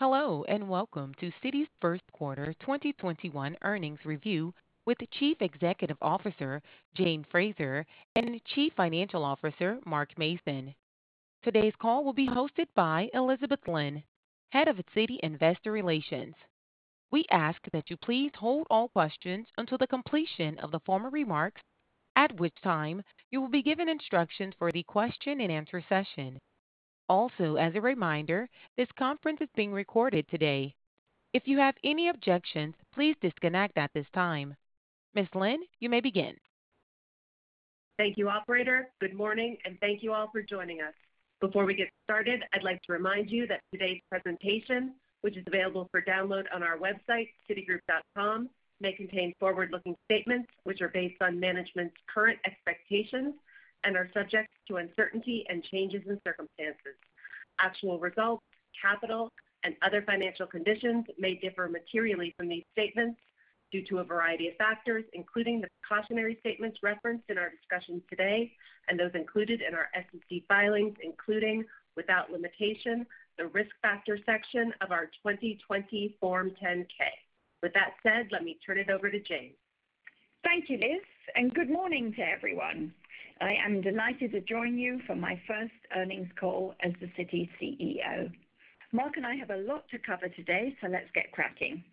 Hello, and welcome to Citi's first quarter 2021 earnings review with Chief Executive Officer, Jane Fraser, and Chief Financial Officer, Mark Mason. Today's call will be hosted by Elizabeth Lynn, Head of Citi Investor Relations. We ask that you please hold all questions until the completion of the formal remarks, at which time you will be given instructions for the question and answer session. As a reminder, this conference is being recorded today. If you have any objections, please disconnect at this time. Ms. Lynn, you may begin. Thank you, operator. Good morning, and thank you all for joining us. Before we get started, I'd like to remind you that today's presentation, which is available for download on our website, citigroup.com, may contain forward-looking statements which are based on management's current expectations and are subject to uncertainty and changes in circumstances. Actual results, capital, and other financial conditions may differ materially from these statements due to a variety of factors, including the cautionary statements referenced in our discussions today and those included in our SEC filings, including, without limitation, the Risk Factor section of our 2020 Form 10-K. With that said, let me turn it over to Jane. Thank you, Liz. Good morning to everyone. I am delighted to join you for my first earnings call as the Citi CEO. Mark and I have a lot to cover today. Let's get cracking.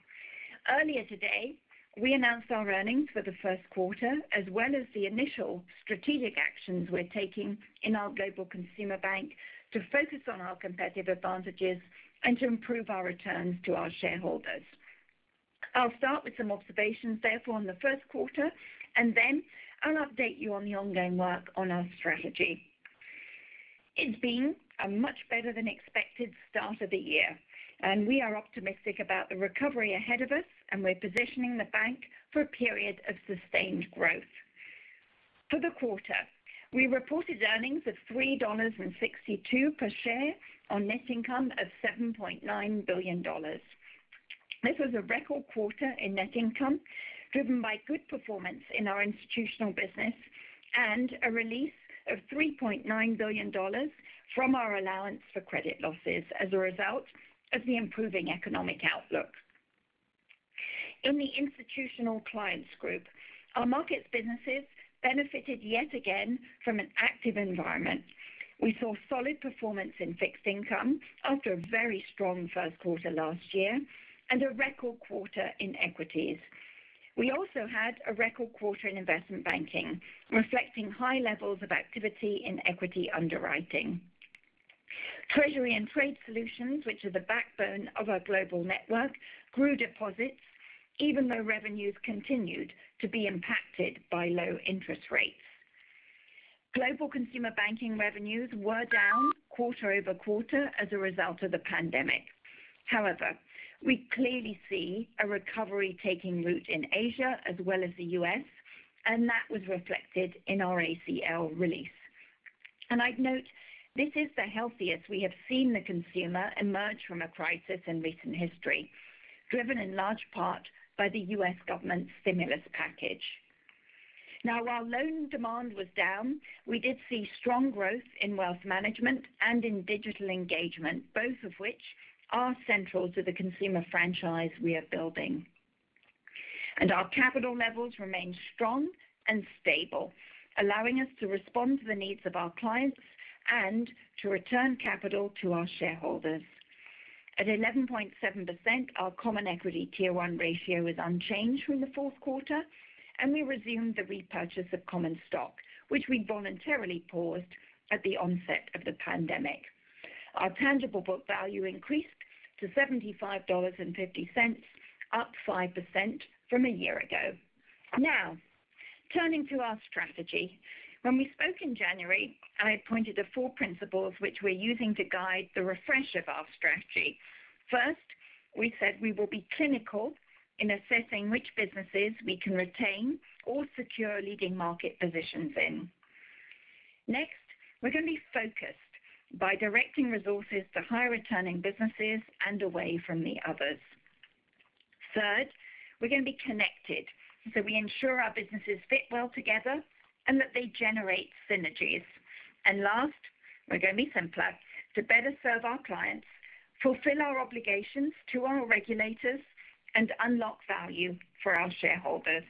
Earlier today, we announced our earnings for the first quarter, as well as the initial strategic actions we're taking in our Global Consumer Bank to focus on our competitive advantages and to improve our returns to our shareholders. I'll start with some observations, therefore, on the first quarter. I'll update you on the ongoing work on our strategy. It's been a much better than expected start of the year. We are optimistic about the recovery ahead of us. We're positioning the bank for a period of sustained growth. For the quarter, we reported earnings of $3.62 per share on net income of $7.9 billion. This was a record quarter in net income, driven by good performance in our Institutional Business and a release of $3.9 billion from our Allowance for Credit Losses as a result of the improving economic outlook. In the Institutional Clients Group, our markets businesses benefited yet again from an active environment. We saw solid performance in fixed income after a very strong first quarter last year and a record quarter in equities. We also had a record quarter in investment banking, reflecting high levels of activity in equity underwriting. Treasury and Trade Solutions, which are the backbone of our global network, grew deposits even though revenues continued to be impacted by low interest rates. Global Consumer Banking revenues were down quarter-over-quarter as a result of the pandemic. However, we clearly see a recovery taking root in Asia as well as the U.S., and that was reflected in our ACL release. I'd note, this is the healthiest we have seen the consumer emerge from a crisis in recent history, driven in large part by the U.S. government's stimulus package. Now, while loan demand was down, we did see strong growth in wealth management and in digital engagement, both of which are central to the consumer franchise we are building. Our capital levels remain strong and stable, allowing us to respond to the needs of our clients and to return capital to our shareholders. At 11.7%, our common equity Tier 1 ratio is unchanged from the fourth quarter, and we resumed the repurchase of common stock, which we voluntarily paused at the onset of the pandemic. Our tangible book value increased to $75.50, up 5% from a year ago. Turning to our strategy. When we spoke in January, I pointed to four principles which we're using to guide the refresh of our strategy. First, we said we will be clinical in assessing which businesses we can retain or secure leading market positions in. Next, we're going to be focused by directing resources to higher returning businesses and away from the others. Third, we're going to be connected so we ensure our businesses fit well together and that they generate synergies. Last, we're going to be simpler to better serve our clients, fulfill our obligations to our regulators, and unlock value for our shareholders.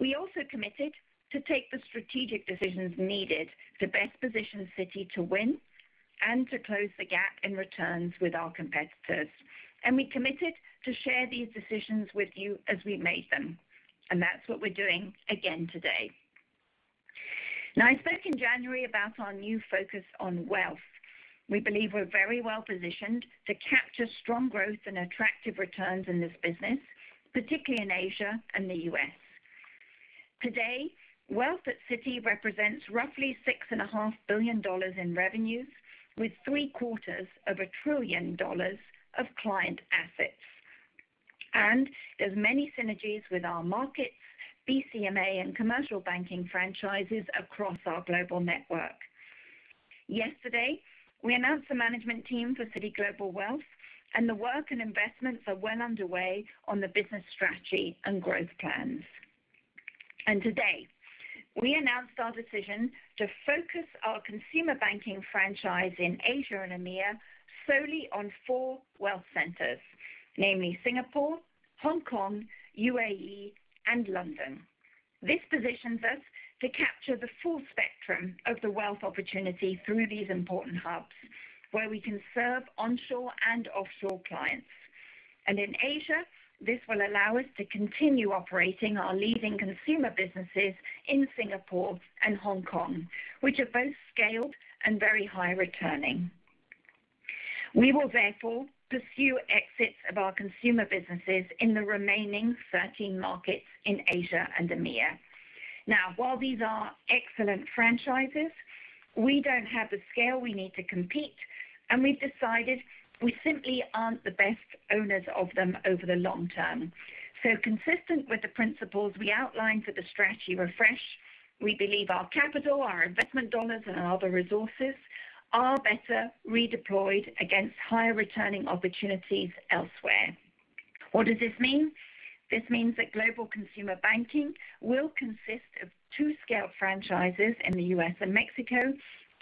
We also committed to take the strategic decisions needed to best position Citi to win and to close the gap in returns with our competitors. We committed to share these decisions with you as we made them, and that's what we're doing again today. I spoke in January about our new focus on wealth. We believe we're very well positioned to capture strong growth and attractive returns in this business, particularly in Asia and the U.S. Today, wealth at Citi represents roughly $6.5 billion in revenues, with three-quarters of a trillion dollars of client assets. There's many synergies with our markets, BCMA, and commercial banking franchises across our global network. Yesterday, we announced the management team for Citi Global Wealth, and the work and investments are well underway on the business strategy and growth plans. Today, we announced our decision to focus our consumer banking franchise in Asia and EMEA solely on four wealth centers, namely Singapore, Hong Kong, UAE, and London. This positions us to capture the full spectrum of the wealth opportunity through these important hubs, where we can serve onshore and offshore clients. In Asia, this will allow us to continue operating our leading consumer businesses in Singapore and Hong Kong, which are both scaled and very high returning. We will therefore pursue exits of our consumer businesses in the remaining 13 markets in Asia and EMEA. Now, while these are excellent franchises, we don't have the scale we need to compete, and we've decided we simply aren't the best owners of them over the long term. Consistent with the principles we outlined for the strategy refresh, we believe our capital, our investment dollars, and our other resources are better redeployed against higher-returning opportunities elsewhere. What does this mean? This means that Global Consumer Banking will consist of two scaled franchises in the U.S. and Mexico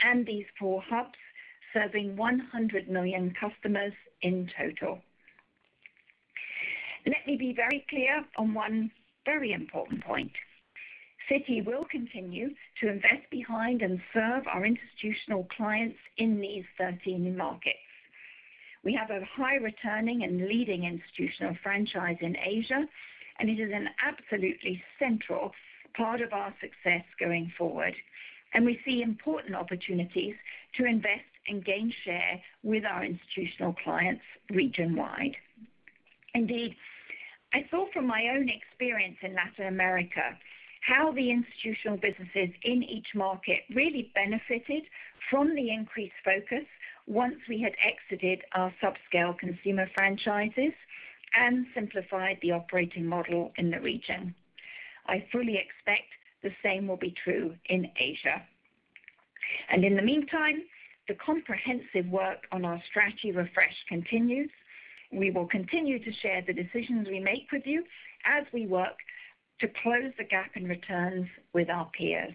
and these four hubs, serving 100 million customers in total. Let me be very clear on one very important point. Citi will continue to invest behind and serve our institutional clients in these 13 markets. We have a high returning and leading institutional franchise in Asia. It is an absolutely central part of our success going forward. We see important opportunities to invest and gain share with our institutional clients region-wide. Indeed, I saw from my own experience in Latin America how the institutional businesses in each market really benefited from the increased focus once we had exited our sub-scale consumer franchises and simplified the operating model in the region. I fully expect the same will be true in Asia. In the meantime, the comprehensive work on our strategy refresh continues. We will continue to share the decisions we make with you as we work to close the gap in returns with our peers.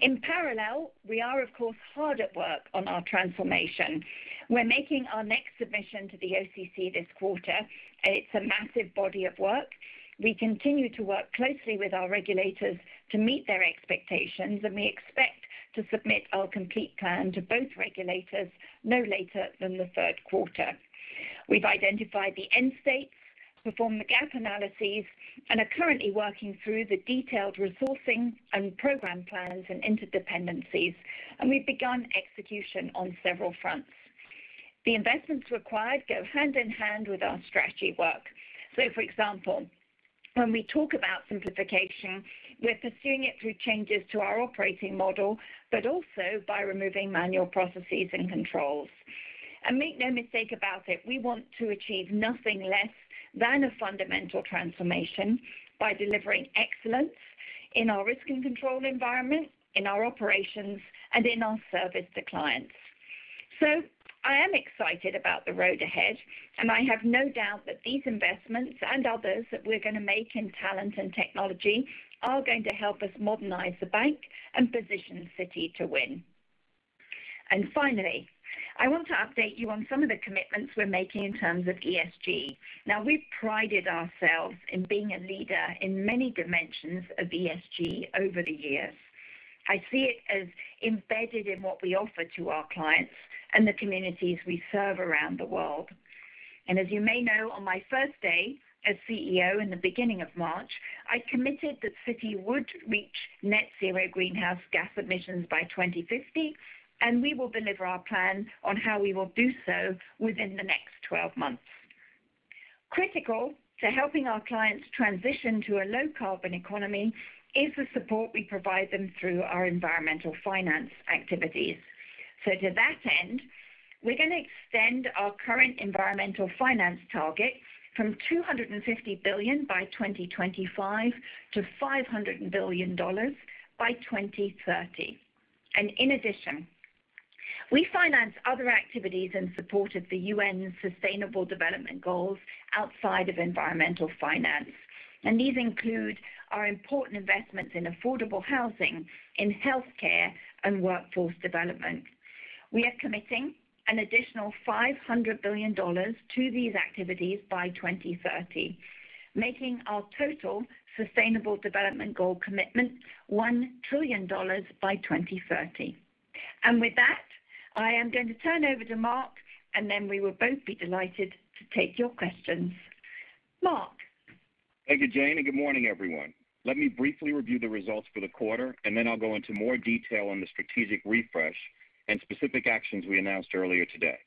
In parallel, we are, of course, hard at work on our Transformation. We're making our next submission to the OCC this quarter. It's a massive body of work. We continue to work closely with our regulators to meet their expectations, and we expect to submit our complete plan to both regulators no later than the third quarter. We've identified the end states, performed the gap analyses, and are currently working through the detailed resourcing and program plans and interdependencies, and we've begun execution on several fronts. The investments required go hand-in-hand with our strategy work. For example, when we talk about simplification, we're pursuing it through changes to our operating model, but also by removing manual processes and controls. Make no mistake about it, we want to achieve nothing less than a fundamental transformation by delivering excellence in our risk and control environment, in our operations, and in our service to clients. I am excited about the road ahead, and I have no doubt that these investments, and others that we're going to make in talent and technology, are going to help us modernize the bank and position Citi to win. Finally, I want to update you on some of the commitments we're making in terms of ESG. We've prided ourselves in being a leader in many dimensions of ESG over the years. I see it as embedded in what we offer to our clients and the communities we serve around the world. As you may know, on my first day as CEO in the beginning of March, I committed that Citi would reach net zero greenhouse gas emissions by 2050, and we will deliver our plans on how we will do so within the next 12 months. Critical to helping our clients transition to a low-carbon economy is the support we provide them through our environmental finance activities. To that end, we're going to extend our current environmental finance target from $250 billion by 2025 to $500 billion by 2030. In addition, we finance other activities in support of the UN Sustainable Development Goals outside of environmental finance. These include our important investments in affordable housing, in healthcare, and workforce development. We are committing an additional $500 billion to these activities by 2030, making our total Sustainable Development Goal commitment $1 trillion by 2030. With that, I am going to turn over to Mark, and then we will both be delighted to take your questions. Mark? Thank you, Jane, and good morning, everyone. Let me briefly review the results for the quarter, and then I'll go into more detail on the strategic refresh and specific actions we announced earlier today.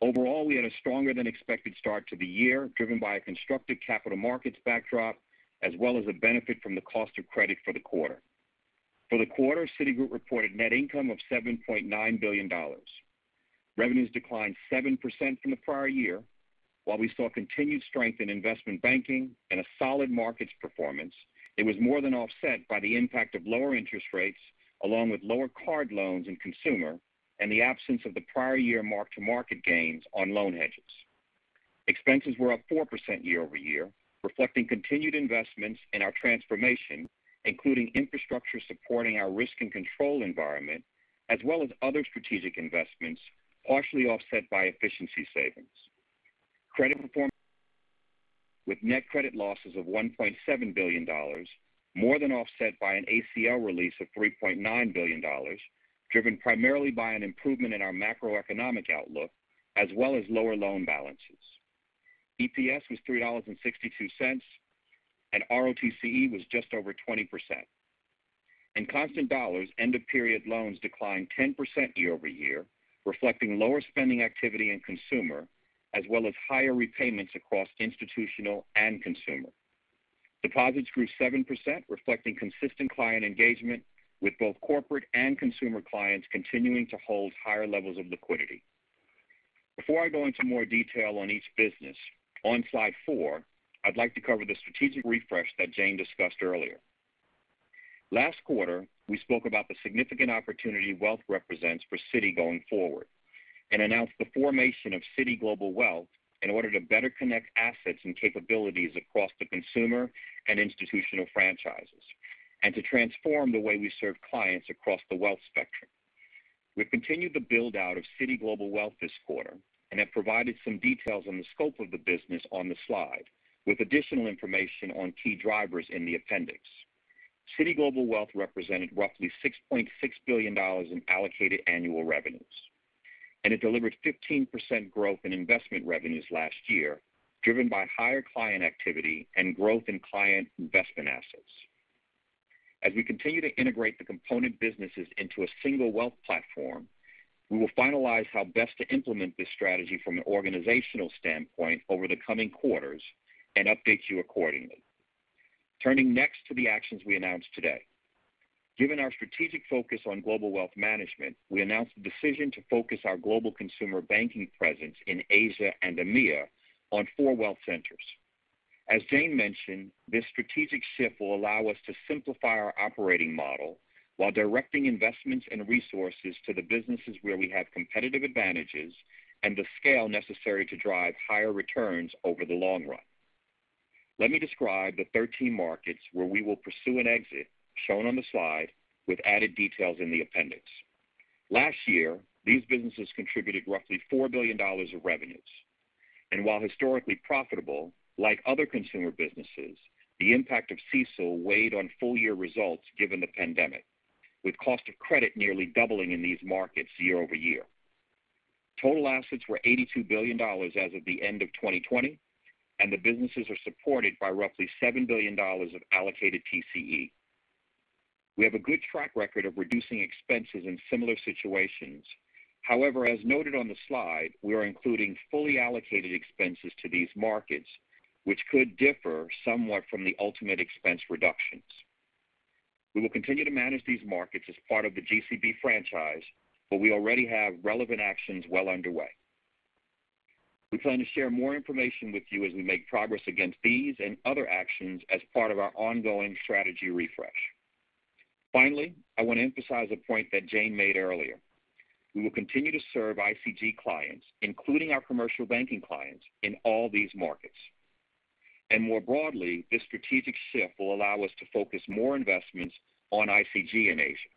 Overall, we had a stronger-than-expected start to the year, driven by a constructive capital markets backdrop, as well as a benefit from the cost of credit for the quarter. For the quarter, Citigroup reported net income of $7.9 billion. Revenues declined 7% from the prior year. While we saw continued strength in investment banking and a solid markets performance, it was more than offset by the impact of lower interest rates, along with lower card loans in consumer and the absence of the prior year mark-to-market gains on loan hedges. Expenses were up 4% year-over-year, reflecting continued investments in our transformation, including infrastructure supporting our risk and control environment, as well as other strategic investments, partially offset by efficiency savings. Credit results, with net credit losses of $1.7 billion, more than offset by an ACL release of $3.9 billion, driven primarily by an improvement in our macroeconomic outlook, as well as lower loan balances. EPS was $3.62, and ROTCE was just over 20%. In constant dollars, end of period loans declined 10% year-over-year, reflecting lower spending activity in consumer, as well as higher repayments across institutional and consumer. Deposits grew 7%, reflecting consistent client engagement, with both corporate and consumer clients continuing to hold higher levels of liquidity. Before I go into more detail on each business, on slide four, I'd like to cover the strategic refresh that Jane discussed earlier. Last quarter, we spoke about the significant opportunity wealth represents for Citi going forward, and announced the formation of Citi Global Wealth in order to better connect assets and capabilities across the consumer and institutional franchises, and to transform the way we serve clients across the wealth spectrum. We've continued the build-out of Citi Global Wealth this quarter, and have provided some details on the scope of the business on the slide, with additional information on key drivers in the appendix. Citi Global Wealth represented roughly $6.6 billion in allocated annual revenues, and it delivered 15% growth in investment revenues last year, driven by higher client activity and growth in client investment assets. As we continue to integrate the component businesses into a single wealth platform, we will finalize how best to implement this strategy from an organizational standpoint over the coming quarters and update you accordingly. Turning next to the actions we announced today. Given our strategic focus on Global Wealth Management, we announced the decision to focus our Global Consumer Banking presence in Asia and EMEA on four wealth centers. As Jane mentioned, this strategic shift will allow us to simplify our operating model while directing investments and resources to the businesses where we have competitive advantages and the scale necessary to drive higher returns over the long run. Let me describe the 13 markets where we will pursue an exit, shown on the slide, with added details in the appendix. Last year, these businesses contributed roughly $4 billion of revenues. While historically profitable, like other consumer businesses, the impact of CECL weighed on full-year results given the pandemic, with cost of credit nearly doubling in these markets year-over-year. Total assets were $82 billion as of the end of 2020. The businesses are supported by roughly $7 billion of allocated TCE. We have a good track record of reducing expenses in similar situations. However, as noted on the slide, we are including fully allocated expenses to these markets, which could differ somewhat from the ultimate expense reductions. We will continue to manage these markets as part of the GCB franchise. We already have relevant actions well underway. We plan to share more information with you as we make progress against these and other actions as part of our ongoing strategy refresh. Finally, I want to emphasize a point that Jane made earlier. We will continue to serve ICG clients, including our commercial banking clients, in all these markets. More broadly, this strategic shift will allow us to focus more investments on ICG in Asia.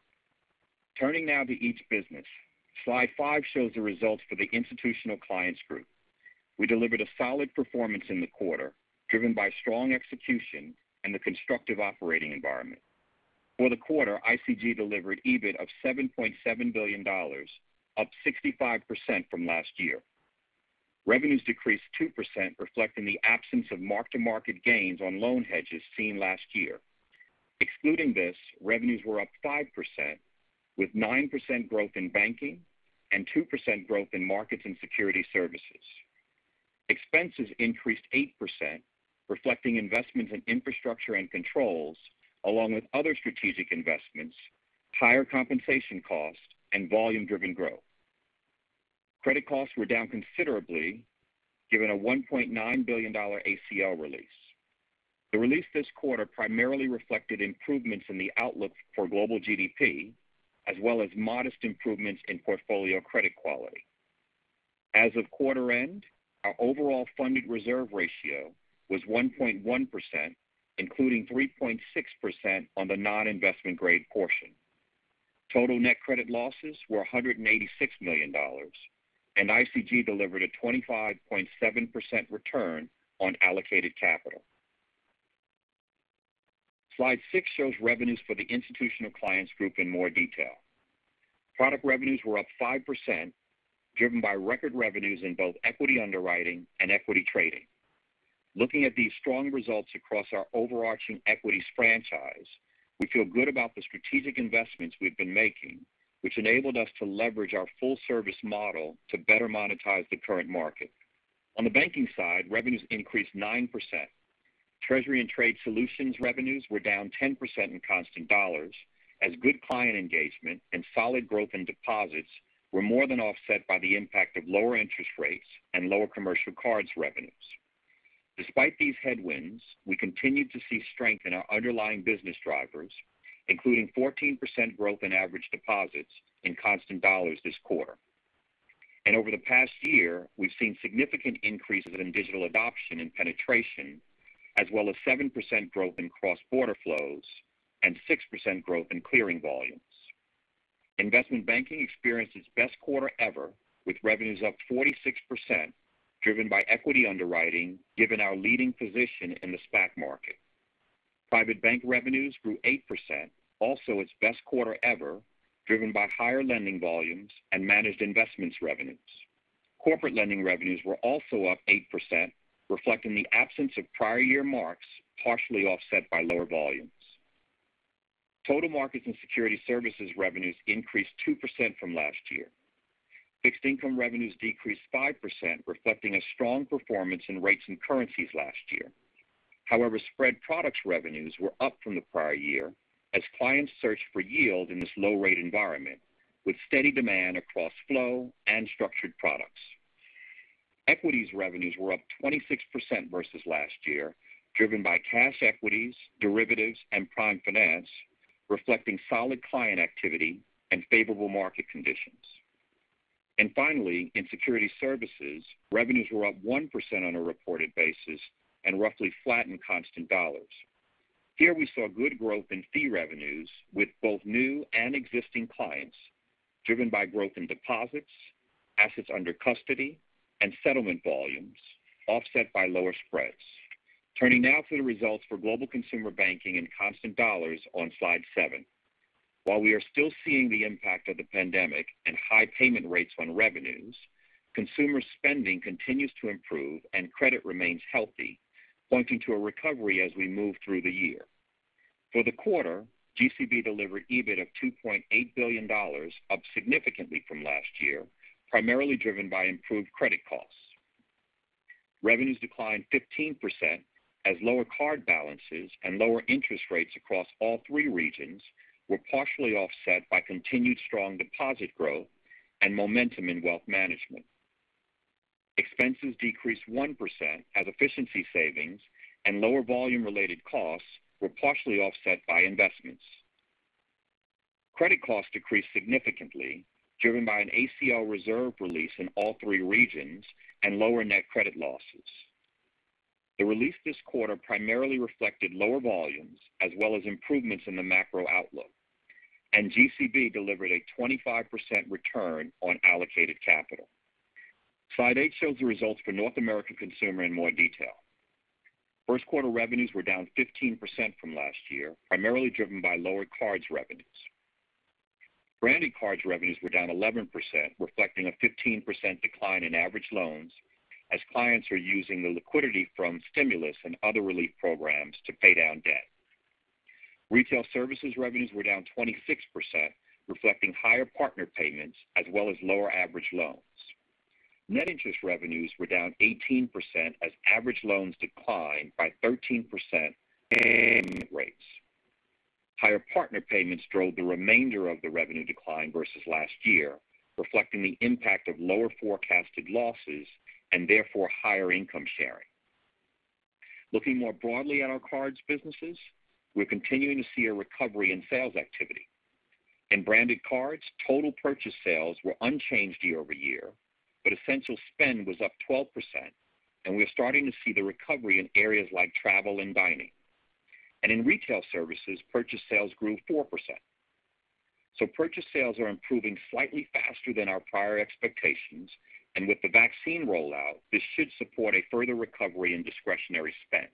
Turning now to each business. Slide five shows the results for the Institutional Clients Group. We delivered a solid performance in the quarter, driven by strong execution and the constructive operating environment. For the quarter, ICG delivered EBIT of $7.7 billion, up 65% from last year. Revenues decreased 2%, reflecting the absence of mark-to-market gains on loan hedges seen last year. Excluding this, revenues were up 5%, with 9% growth in banking and 2% growth in markets and Securities Services. Expenses increased 8%, reflecting investments in infrastructure and controls, along with other strategic investments, higher compensation costs, and volume-driven growth. Credit costs were down considerably, given a $1.9 billion ACL release. The release this quarter primarily reflected improvements in the outlook for global GDP, as well as modest improvements in portfolio credit quality. As of quarter end, our overall funded reserve ratio was 1.1%, including 3.6% on the non-investment grade portion. Total net credit losses were $186 million, and ICG delivered a 25.7% return on allocated capital. Slide six shows revenues for the Institutional Clients Group in more detail. Product revenues were up 5%, driven by record revenues in both equity underwriting and equity trading. Looking at these strong results across our overarching equities franchise, we feel good about the strategic investments we've been making, which enabled us to leverage our full-service model to better monetize the current market. On the banking side, revenues increased 9%. Treasury and Trade Solutions revenues were down 10% in constant dollars, as good client engagement and solid growth in deposits were more than offset by the impact of lower interest rates and lower Commercial Cards revenues. Despite these headwinds, we continued to see strength in our underlying business drivers, including 14% growth in average deposits in constant dollars this quarter. Over the past year, we've seen significant increases in digital adoption and penetration, as well as 7% growth in cross-border flows and 6% growth in clearing volumes. Investment Banking experienced its best quarter ever, with revenues up 46%, driven by equity underwriting, given our leading position in the SPAC market. Private Bank revenues grew 8%, also its best quarter ever, driven by higher lending volumes and managed investments revenues. Corporate Lending revenues were also up 8%, reflecting the absence of prior year marks, partially offset by lower volumes. Total Markets and Security Services revenues increased 2% from last year. Fixed income revenues decreased 5%, reflecting a strong performance in rates and currencies last year. Spread products revenues were up from the prior year as clients searched for yield in this low-rate environment, with steady demand across flow and structured products. Equities revenues were up 26% versus last year, driven by cash equities, derivatives, and prime finance, reflecting solid client activity and favorable market conditions. Finally, in Security Services, revenues were up 1% on a reported basis and roughly flat in constant dollars. Here, we saw good growth in fee revenues with both new and existing clients, driven by growth in deposits, assets under custody, and settlement volumes, offset by lower spreads. To the results for Global Consumer Banking in constant dollars on Slide seven. While we are still seeing the impact of the pandemic and high payment rates on revenues, consumer spending continues to improve and credit remains healthy, pointing to a recovery as we move through the year. For the quarter, GCB delivered EBIT of $2.8 billion, up significantly from last year, primarily driven by improved credit costs. Revenues declined 15% as lower card balances and lower interest rates across all three regions were partially offset by continued strong deposit growth and momentum in wealth management. Expenses decreased 1% as efficiency savings and lower volume-related costs were partially offset by investments. Credit costs decreased significantly, driven by an ACL reserve release in all three regions and lower net credit losses. The release this quarter primarily reflected lower volumes as well as improvements in the macro outlook. GCB delivered a 25% return on allocated capital. Slide eight shows the results for North American Consumer in more detail. First quarter revenues were down 15% from last year, primarily driven by lower cards revenues. Branded Cards revenues were down 11%, reflecting a 15% decline in average loans, as clients are using the liquidity from stimulus and other relief programs to pay down debt. Retail Services revenues were down 26%, reflecting higher partner payments as well as lower average loans. Net interest revenues were down 18% as average loans declined by 13% in rates. Higher partner payments drove the remainder of the revenue decline versus last year, reflecting the impact of lower forecasted losses and therefore higher income sharing. Looking more broadly at our cards businesses, we're continuing to see a recovery in sales activity. In Branded Cards, total purchase sales were unchanged year-over-year, but essential spend was up 12%, and we are starting to see the recovery in areas like travel and dining. In Retail Services, purchase sales grew 4%. Purchase sales are improving slightly faster than our prior expectations, and with the vaccine rollout, this should support a further recovery in discretionary spend.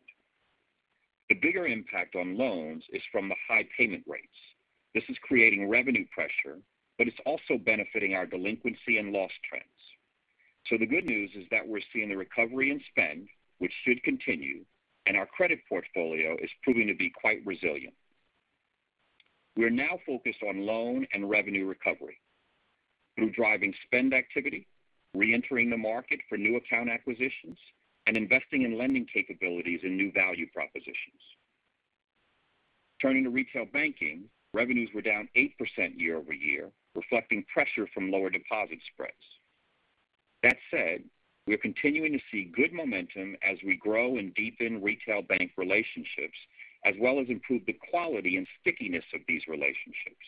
The bigger impact on loans is from the high payment rates. This is creating revenue pressure, but it's also benefiting our delinquency and loss trends. The good news is that we're seeing the recovery in spend, which should continue, and our credit portfolio is proving to be quite resilient. We are now focused on loan and revenue recovery through driving spend activity, re-entering the market for new account acquisitions, and investing in lending capabilities and new value propositions. Turning to Retail Banking, revenues were down 8% year-over-year, reflecting pressure from lower deposit spreads. That said, we are continuing to see good momentum as we grow and deepen retail bank relationships, as well as improve the quality and stickiness of these relationships.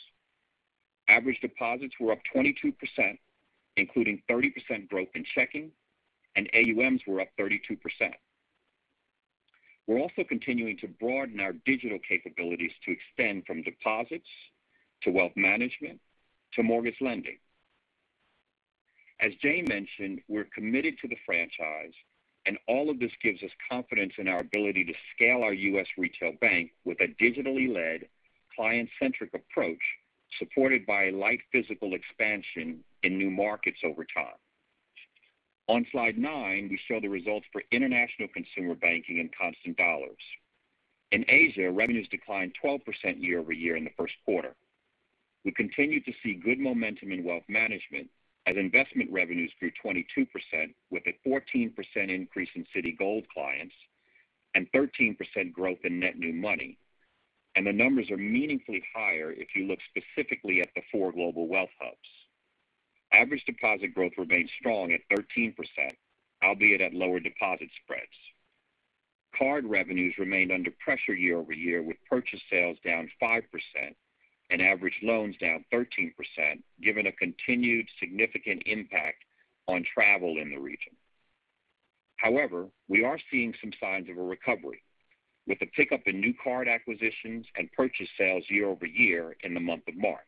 Average deposits were up 22%, including 30% growth in checking, and AUM were up 32%. We're also continuing to broaden our digital capabilities to extend from deposits to wealth management to mortgage lending. As Jane mentioned, we're committed to the franchise, all of this gives us confidence in our ability to scale our U.S. retail bank with a digitally led, client-centric approach, supported by light physical expansion in new markets over time. On slide nine, we show the results for International Consumer Banking in constant dollars. In Asia, revenues declined 12% year-over-year in the first quarter. We continue to see good momentum in wealth management as investment revenues grew 22% with a 14% increase in Citigold clients and 13% growth in net new money. The numbers are meaningfully higher if you look specifically at the four global wealth hubs. Average deposit growth remained strong at 13%, albeit at lower deposit spreads. Card revenues remained under pressure year-over-year, with purchase sales down 5% and average loans down 13%, given a continued significant impact on travel in the region. However, we are seeing some signs of a recovery with a pickup in new card acquisitions and purchase sales year-over-year in the month of March.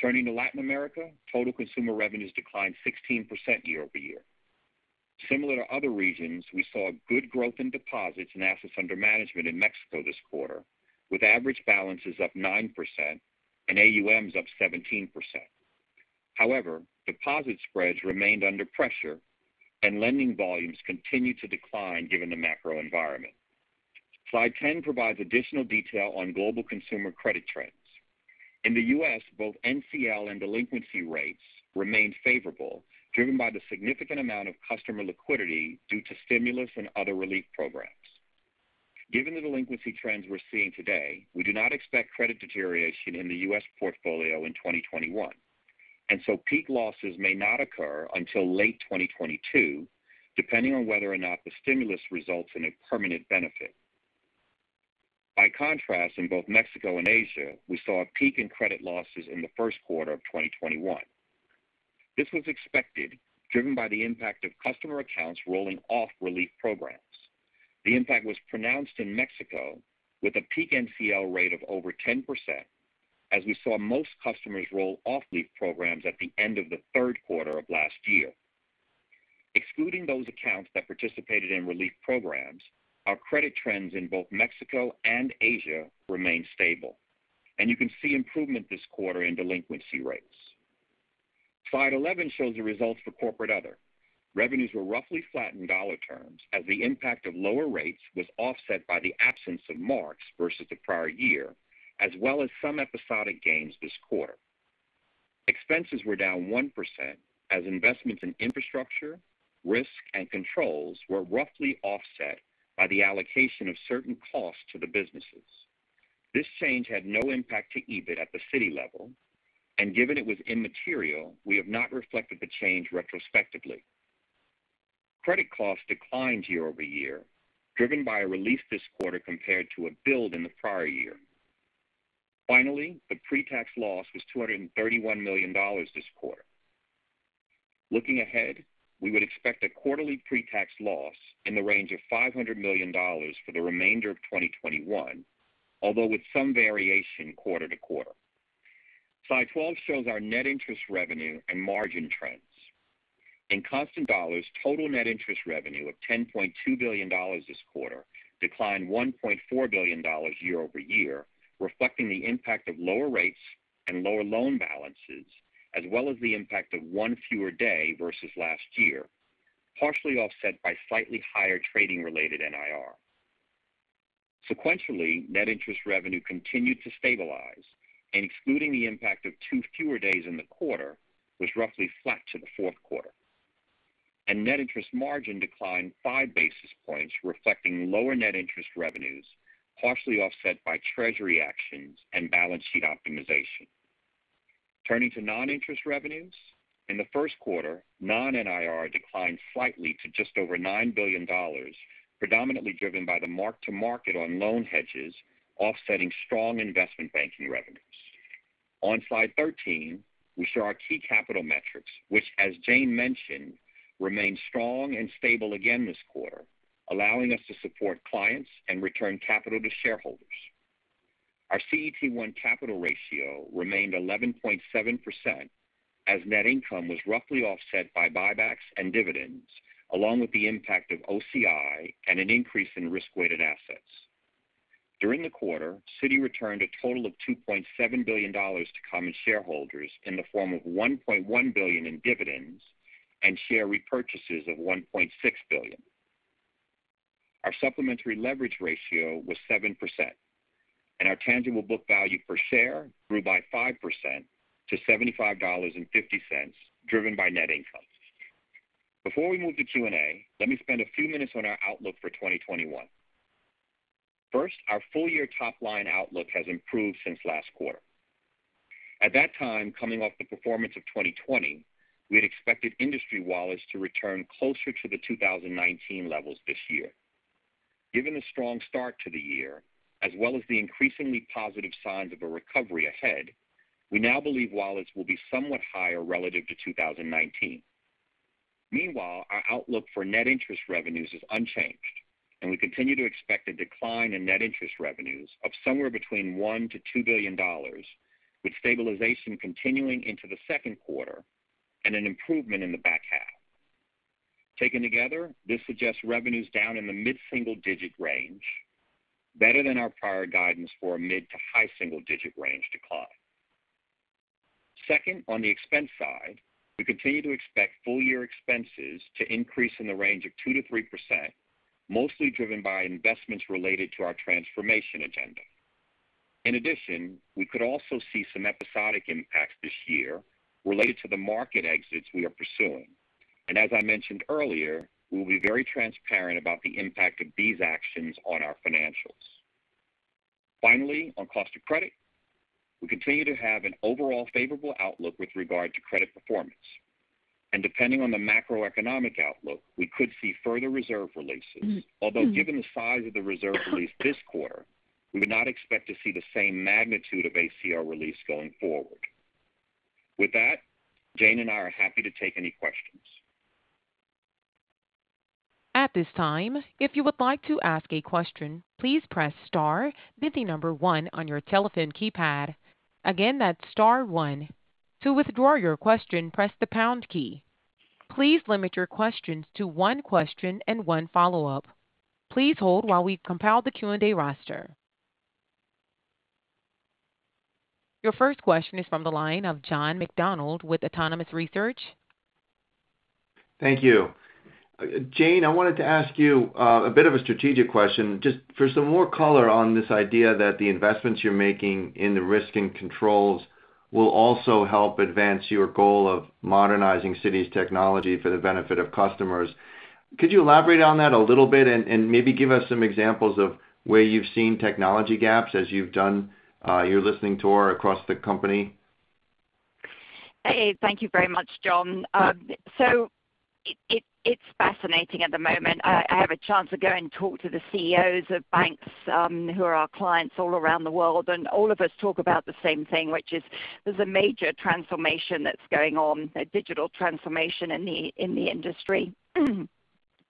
Turning to Latin America, total consumer revenues declined 16% year-over-year. Similar to other regions, we saw good growth in deposits and assets under management in Mexico this quarter, with average balances up 9% and AUMs up 17%. Deposit spreads remained under pressure and lending volumes continue to decline given the macro environment. Slide 10 provides additional detail on global consumer credit trends. In the U.S., both NCL and delinquency rates remained favorable, driven by the significant amount of customer liquidity due to stimulus and other relief programs. Given the delinquency trends we're seeing today, we do not expect credit deterioration in the U.S. portfolio in 2021. Peak losses may not occur until late 2022, depending on whether or not the stimulus results in a permanent benefit. By contrast, in both Mexico and Asia, we saw a peak in credit losses in the first quarter of 2021. This was expected, driven by the impact of customer accounts rolling off relief programs. The impact was pronounced in Mexico with a peak NCL rate of over 10%, as we saw most customers roll off relief programs at the end of the third quarter of last year. Excluding those accounts that participated in relief programs, our credit trends in both Mexico and Asia remain stable. You can see improvement this quarter in delinquency rates. Slide 11 shows the results for Corporate other. Revenues were roughly flat in dollar terms as the impact of lower rates was offset by the absence of marks versus the prior year, as well as some episodic gains this quarter. Expenses were down 1% as investments in infrastructure, risk, and controls were roughly offset by the allocation of certain costs to the businesses. This change had no impact to EBIT at the Citi level, and given it was immaterial, we have not reflected the change retrospectively. Credit costs declined year-over-year, driven by a release this quarter compared to a build in the prior year. Finally, the pre-tax loss was $231 million this quarter. Looking ahead, we would expect a quarterly pre-tax loss in the range of $500 million for the remainder of 2021, although with some variation quarter-to-quarter. Slide 12 shows our net interest revenue and margin trends. In constant dollars, total net interest revenue of $10.2 billion this quarter declined $1.4 billion year-over-year, reflecting the impact of lower rates and lower loan balances, as well as the impact of one fewer day versus last year, partially offset by slightly higher trading-related NIR. Sequentially, net interest revenue continued to stabilize, and excluding the impact of two fewer days in the quarter, was roughly flat to the fourth quarter. Net interest margin declined five basis points, reflecting lower net interest revenues, partially offset by treasury actions and balance sheet optimization. Turning to non-interest revenues. In the first quarter, non-NIR declined slightly to just over $9 billion, predominantly driven by the mark-to-market on loan hedges, offsetting strong investment banking revenues. On slide 13, we show our key capital metrics, which, as Jane mentioned, remain strong and stable again this quarter, allowing us to support clients and return capital to shareholders. Our CET1 capital ratio remained 11.7% as net income was roughly offset by buybacks and dividends, along with the impact of OCI and an increase in risk-weighted assets. During the quarter, Citi returned a total of $2.7 billion to common shareholders in the form of $1.1 billion in dividends and share repurchases of $1.6 billion. Our supplementary leverage ratio was 7%, and our tangible book value per share grew by 5% to $75.50, driven by net income. Before we move to Q&A, let me spend a few minutes on our outlook for 2021. First, our full-year top-line outlook has improved since last quarter. At that time, coming off the performance of 2020, we had expected industry wallets to return closer to the 2019 levels this year. Given the strong start to the year, as well as the increasingly positive signs of a recovery ahead, we now believe wallets will be somewhat higher relative to 2019. Meanwhile, our outlook for net interest revenues is unchanged, and we continue to expect a decline in net interest revenues of somewhere between $1 billion-$2 billion, with stabilization continuing into the second quarter and an improvement in the back half. Taken together, this suggests revenues down in the mid-single-digit range, better than our prior guidance for a mid to high single-digit range decline. On the expense side, we continue to expect full-year expenses to increase in the range of 2%-3%, mostly driven by investments related to our transformation agenda. We could also see some episodic impacts this year related to the market exits we are pursuing. As I mentioned earlier, we will be very transparent about the impact of these actions on our financials. On cost of credit, we continue to have an overall favorable outlook with regard to credit performance. Depending on the macroeconomic outlook, we could see further reserve releases. Given the size of the reserve release this quarter, we would not expect to see the same magnitude of ACL release going forward. With that, Jane and I are happy to take any questions. At this time if you would like to ask a question please press star then number one on your telephone keypad, again that star one. To withdraw your question press the star key. Please limit your question to one question and one follow up, please hold while we compound the Q&A roster. Your first question is from the line of John McDonald with Autonomous Research. Thank you. Jane, I wanted to ask you a bit of a strategic question, just for some more color on this idea that the investments you're making in the risk and controls will also help advance your goal of modernizing Citi's technology for the benefit of customers. Could you elaborate on that a little bit and maybe give us some examples of where you've seen technology gaps as you've done your listening tour across the company? Hey, thank you very much, John. It's fascinating at the moment. I have a chance to go and talk to the CEOs of banks, who are our clients all around the world, and all of us talk about the same thing, which is there's a major transformation that's going on, a digital transformation in the industry.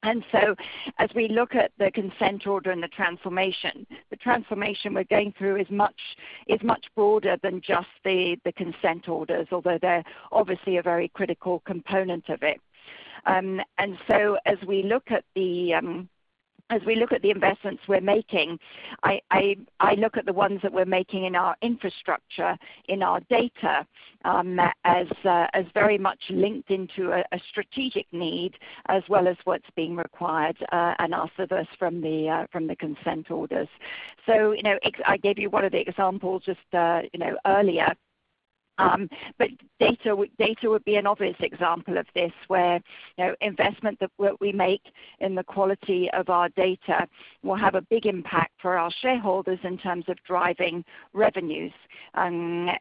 As we look at the consent order and the transformation, the transformation we're going through is much broader than just the consent orders, although they're obviously a very critical component of it. As we look at the investments we're making, I look at the ones that we're making in our infrastructure, in our data, as very much linked into a strategic need, as well as what's being required, and asked of us from the consent orders. I gave you one of the examples just earlier. Data would be an obvious example of this, where investment that we make in the quality of our data will have a big impact for our shareholders in terms of driving revenues and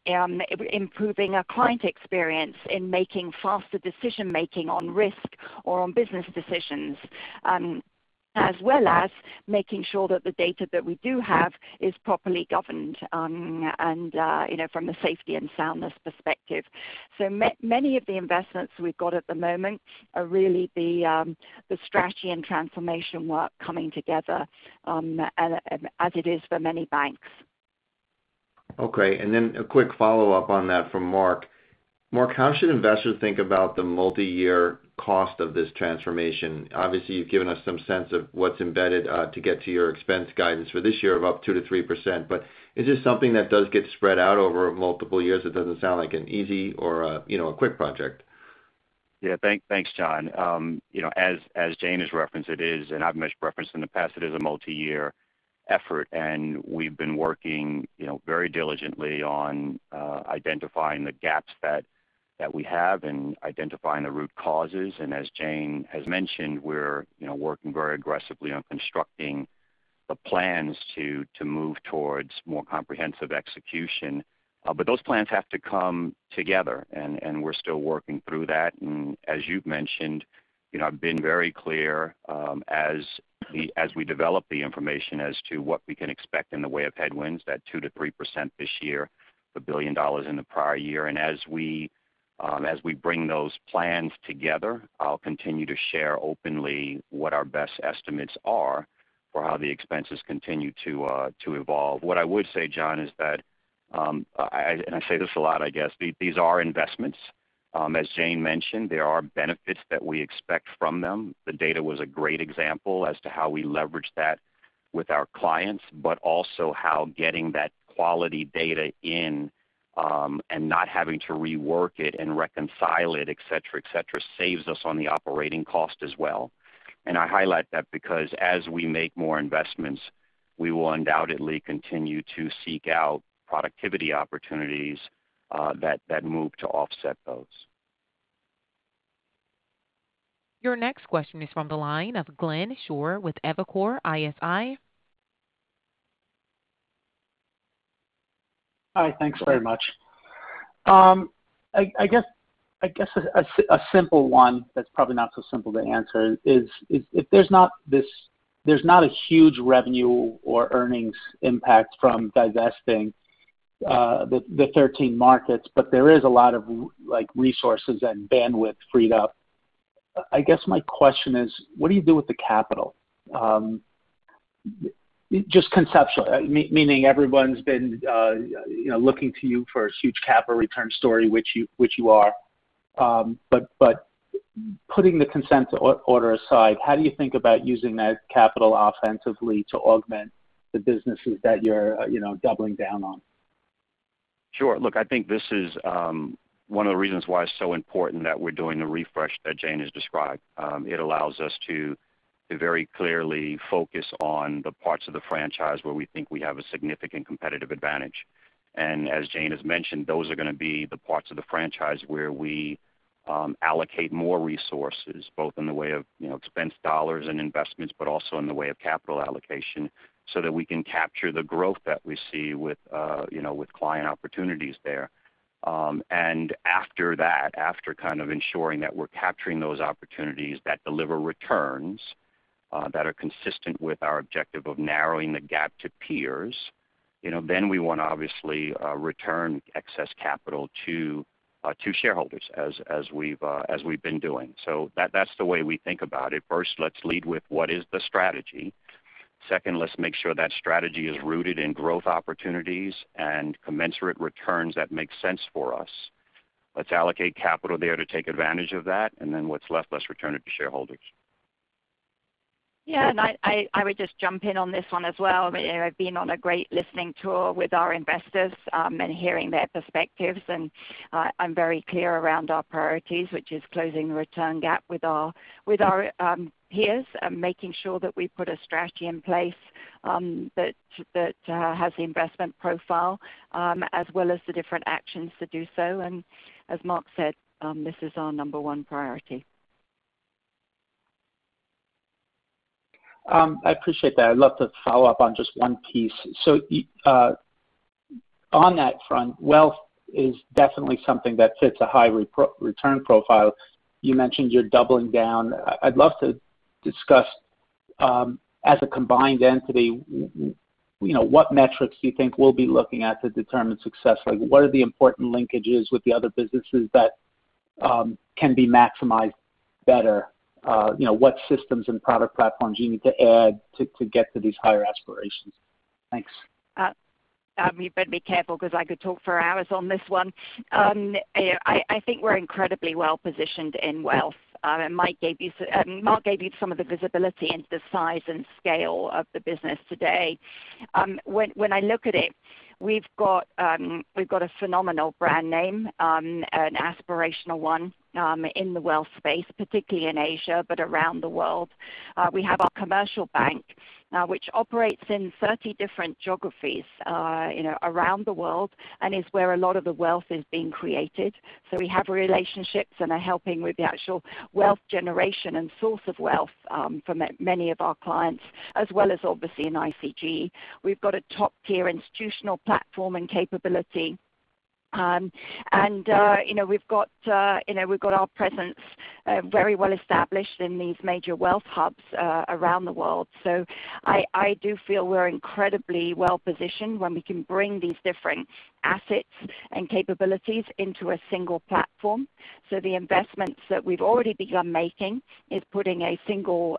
improving our client experience in making faster decision-making on risk or on business decisions, as well as making sure that the data that we do have is properly governed from the safety and soundness perspective. Many of the investments we've got at the moment are really the strategy and transformation work coming together, as it is for many banks. Okay, a quick follow-up on that for Mark. Mark, how should investors think about the multi-year cost of this transformation? Obviously, you've given us some sense of what's embedded to get to your expense guidance for this year of up 2%-3%, is this something that does get spread out over multiple years? It doesn't sound like an easy or a quick project. Yeah. Thanks, John. As Jane has referenced it is, I've referenced in the past, it is a multi-year effort. We've been working very diligently on identifying the gaps that we have and identifying the root causes. As Jane has mentioned, we're working very aggressively on constructing the plans to move towards more comprehensive execution. Those plans have to come together. We're still working through that. As you've mentioned, I've been very clear, as we develop the information as to what we can expect in the way of headwinds, that 2%-3% this year, the $1 billion in the prior year. As we bring those plans together, I'll continue to share openly what our best estimates are for how the expenses continue to evolve. What I would say, John, is that, I say this a lot, I guess, these are investments. As Jane mentioned, there are benefits that we expect from them. The data was a great example as to how we leverage that with our clients, but also how getting that quality data in, and not having to rework it and reconcile it, et cetera, et cetera, saves us on the operating cost as well. I highlight that because as we make more investments, we will undoubtedly continue to seek out productivity opportunities that move to offset those. Your next question is from the line of Glenn Schorr with Evercore ISI. Hi, thanks very much. I guess a simple one that's probably not so simple to answer is, if there's not a huge revenue or earnings impact from divesting the 13 markets, but there is a lot of resources and bandwidth freed up. I guess my question is, what do you do with the capital? Just conceptually, meaning everyone's been looking to you for a huge capital return story, which you are. Putting the consent order aside, how do you think about using that capital offensively to augment the businesses that you're doubling down on? Sure. Look, I think this is one of the reasons why it's so important that we're doing the refresh that Jane has described. It allows us to very clearly focus on the parts of the franchise where we think we have a significant competitive advantage. As Jane has mentioned, those are going to be the parts of the franchise where we allocate more resources, both in the way of expense dollars and investments, but also in the way of capital allocation so that we can capture the growth that we see with client opportunities there. After that, after kind of ensuring that we're capturing those opportunities that deliver returns that are consistent with our objective of narrowing the gap to peers, then we want to obviously return excess capital to shareholders as we've been doing. That's the way we think about it. First, let's lead with what is the strategy. Second, let's make sure that strategy is rooted in growth opportunities and commensurate returns that make sense for us. Let's allocate capital there to take advantage of that, then what's left, let's return it to shareholders. I would just jump in on this one as well. I've been on a great listening tour with our investors and hearing their perspectives, and I'm very clear around our priorities, which is closing the return gap with our peers and making sure that we put a strategy in place that has the investment profile, as well as the different actions to do so. As Mark said, this is our number one priority. I appreciate that. I'd love to follow up on just one piece. On that front, wealth is definitely something that fits a high return profile. You mentioned you're doubling down. I'd love to discuss, as a combined entity, what metrics you think we'll be looking at to determine success. What are the important linkages with the other businesses that can be maximized better? What systems and product platforms you need to add to get to these higher aspirations? Thanks. You better be careful because I could talk for hours on this one. I think we're incredibly well-positioned in wealth. Mark gave you some of the visibility into the size and scale of the business today. When I look at it, we've got a phenomenal brand name, an aspirational one in the wealth space, particularly in Asia, but around the world. We have our commercial bank, which operates in 30 different geographies around the world and is where a lot of the wealth is being created. We have relationships and are helping with the actual wealth generation and source of wealth from many of our clients, as well as obviously in ICG. We've got a top-tier institutional platform and capability. We've got our presence very well established in these major wealth hubs around the world. I do feel we're incredibly well-positioned when we can bring these different assets and capabilities into a single platform. The investments that we've already begun making is putting a single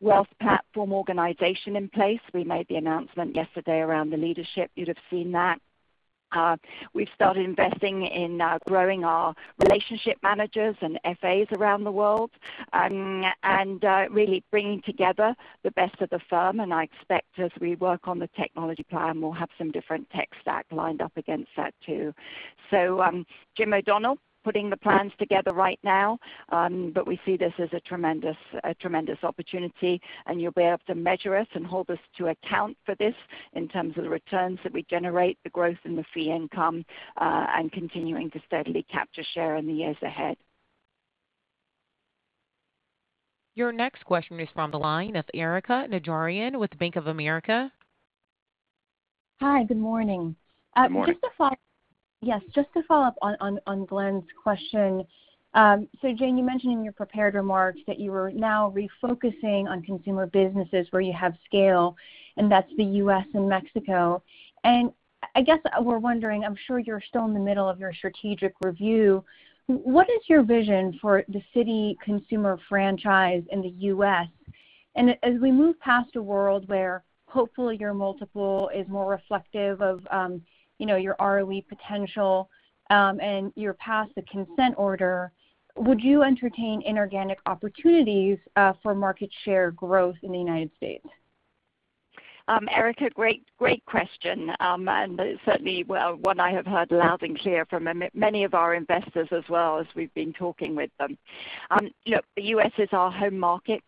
wealth platform organization in place. We made the announcement yesterday around the leadership. You'd have seen that. We've started investing in growing our relationship managers and FAs around the world and really bringing together the best of the firm. I expect as we work on the technology plan, we'll have some different tech stack lined up against that, too. Jim O'Donnell putting the plans together right now, but we see this as a tremendous opportunity, and you'll be able to measure us and hold us to account for this in terms of the returns that we generate, the growth in the fee income, and continuing to steadily capture share in the years ahead. Your next question is from the line of Erika Najarian with Bank of America. Hi, good morning. Good morning. Yes, just to follow up on Glenn's question. Jane, you mentioned in your prepared remarks that you are now refocusing on Consumer businesses where you have scale, and that's the U.S. and Mexico. I guess we're wondering, I'm sure you're still in the middle of your strategic review. What is your vision for the Citi Consumer franchise in the U.S.? As we move past a world where hopefully your multiple is more reflective of your ROE potential, and you're past the consent order, would you entertain inorganic opportunities for market share growth in the United States? Erika, great question, certainly one I have heard loud and clear from many of our investors as well as we've been talking with them. Look, the U.S. is our home market.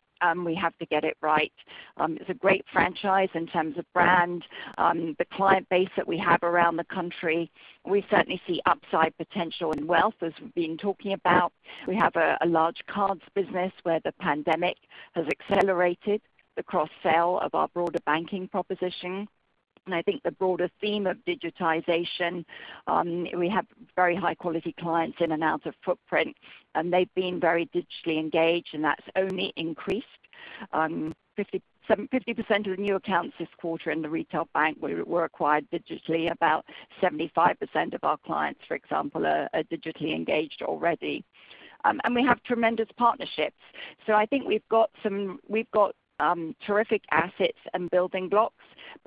We have to get it right. It's a great franchise in terms of brand, the client base that we have around the country. We certainly see upside potential in wealth, as we've been talking about. We have a large cards business where the pandemic has accelerated the cross-sell of our broader banking proposition. I think the broader theme of digitization, we have very high-quality clients in and out of footprint, and they've been very digitally engaged, and that's only increased. 50% of the new accounts this quarter in the retail bank were acquired digitally. About 75% of our clients, for example, are digitally engaged already. We have tremendous partnerships. I think we've got terrific assets and building blocks.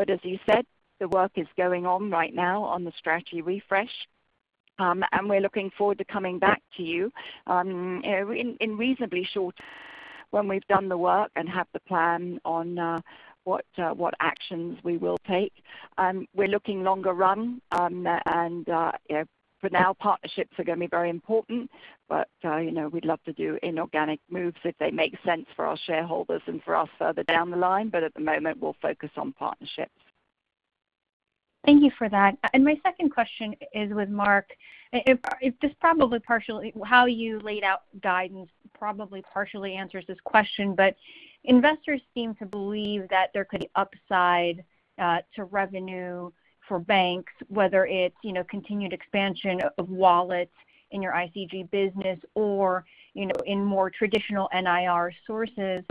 As you said, the work is going on right now on the strategy refresh. We're looking forward to coming back to you in reasonably short when we've done the work and have the plan on what actions we will take. We're looking longer run, and for now, partnerships are going to be very important. We'd love to do inorganic moves if they make sense for our shareholders and for us further down the line. At the moment, we'll focus on partnerships. Thank you for that. My second question is with Mark. How you laid out guidance probably partially answers this question. Investors seem to believe that there could be upside to revenue for banks, whether it's continued expansion of wallets in your ICG business or in more traditional NIR sources.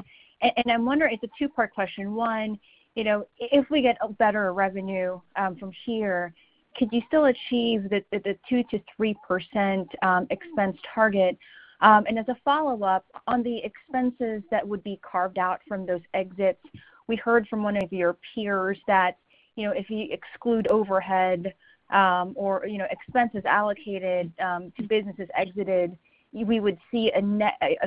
I'm wondering, it's a two-part question. One, if we get a better revenue from here, could you still achieve the 2%-3% expense target? As a follow-up, on the expenses that would be carved out from those exits, we heard from one of your peers that if you exclude overhead, or expenses allocated to businesses exited, we would see a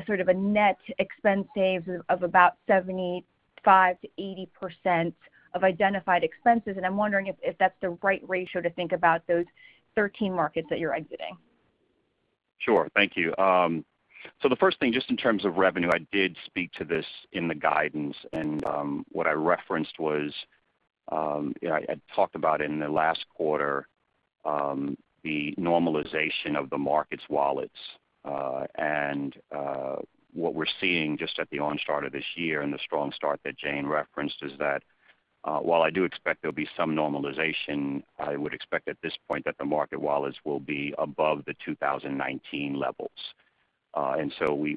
sort of a net expense save of about 75%-80% of identified expenses. I'm wondering if that's the right ratio to think about those 13 markets that you're exiting. Sure. Thank you. The first thing, just in terms of revenue, I did speak to this in the guidance, and what I referenced was, I talked about it in the last quarter, the normalization of the markets wallets. What we're seeing just at the onset of this year and the strong start that Jane referenced is that, while I do expect there'll be some normalization, I would expect at this point that the market wallets will be above the 2019 levels.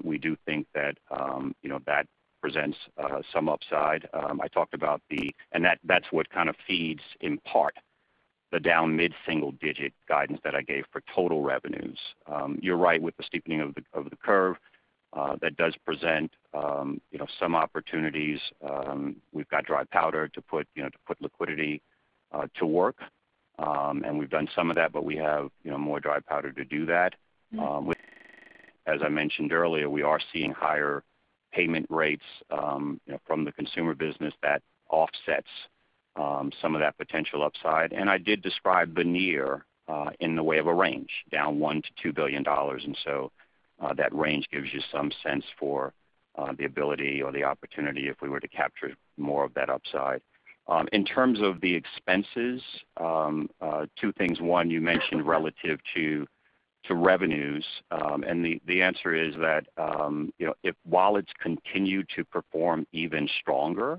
We do think that presents some upside. That's what kind of feeds, in part, the down mid-single-digit guidance that I gave for total revenues. You're right with the steepening of the curve. That does present some opportunities. We've got dry powder to put liquidity to work. We've done some of that, but we have more dry powder to do that. As I mentioned earlier, we are seeing higher payment rates from the consumer business that offsets some of that potential upside. I did describe the NII in the way of a range, down $1 billion-$2 billion, so that range gives you some sense for the ability or the opportunity if we were to capture more of that upside. In terms of the expenses, two things. One, you mentioned relative to revenues. The answer is that if wallets continue to perform even stronger,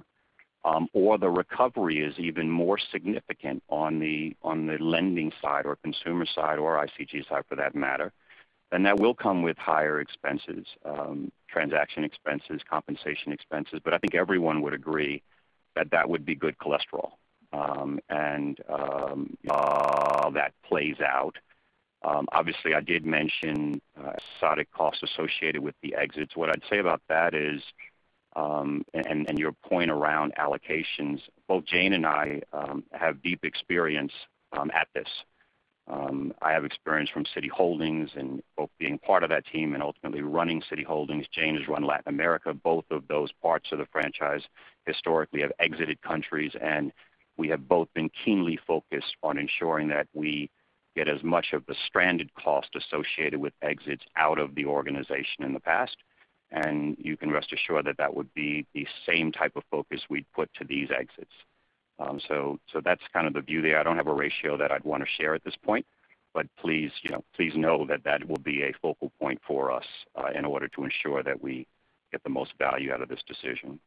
or the recovery is even more significant on the lending side or consumer side, or ICG side for that matter, then that will come with higher expenses, transaction expenses, compensation expenses. I think everyone would agree that that would be good cholesterol. That plays out. Obviously, I did mention exotic costs associated with the exits. What I'd say about that is, and your point around allocations, both Jane and I have deep experience at this. I have experience from Citi Holdings and both being part of that team and ultimately running Citi Holdings. Jane has run Latin America. Both of those parts of the franchise historically have exited countries, and we have both been keenly focused on ensuring that we get as much of the stranded cost associated with exits out of the organization in the past. You can rest assured that that would be the same type of focus we'd put to these exits. That's kind of the view there. I don't have a ratio that I'd want to share at this point, but please know that that will be a focal point for us in order to ensure that we get the most value out of this decision.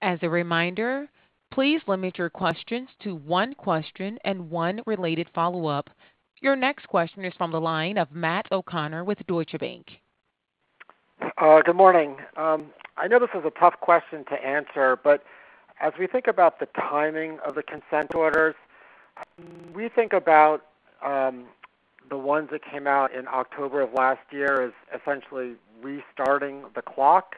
As a reminder, please limit your questions to one question and one related follow-up. Your next question is from the line of Matt O'Connor with Deutsche Bank. Good morning. I know this is a tough question to answer, but as we think about the timing of the consent orders, we think about the ones that came out in October of last year as essentially restarting the clock,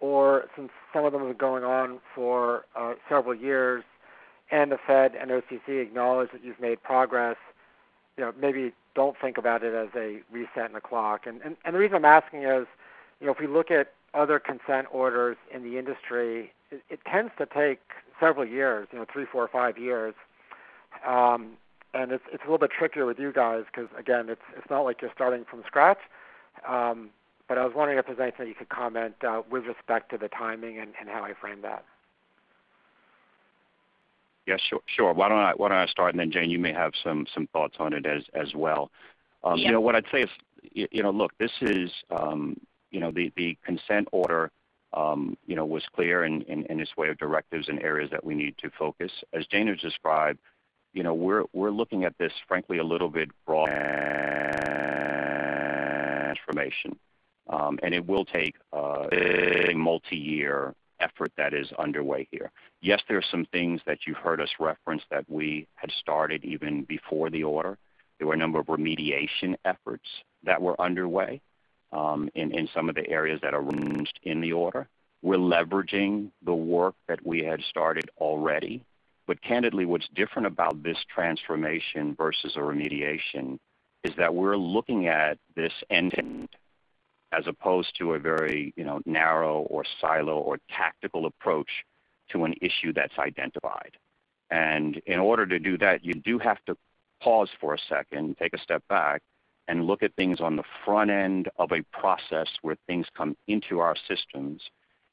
or since some of them have been going on for several years, and the Fed and OCC acknowledge that you've made progress, maybe don't think about it as a reset in the clock. The reason I'm asking is, if we look at other consent orders in the industry, it tends to take several years, three, four, or five years. It's a little bit trickier with you guys because again, it's not like you're starting from scratch. I was wondering if there's anything you could comment with respect to the timing and how I frame that. Yeah, sure. Why don't I start, and then Jane, you may have some thoughts on it as well. Yeah. What I'd say is, look, the consent order was clear in its way of directives and areas that we need to focus. As Jane has described, we're looking at this, frankly, a little bit broad transformation. It will take a multi-year effort that is underway here. Yes, there are some things that you've heard us reference that we had started even before the order. There were a number of remediation efforts that were underway, in some of the areas that are referenced in the order. We're leveraging the work that we had started already. Candidly, what's different about this transformation versus a remediation is that we're looking at this end-to-end as opposed to a very narrow or silo or tactical approach to an issue that's identified. In order to do that, you do have to pause for a second, take a step back and look at things on the front end of a process where things come into our systems,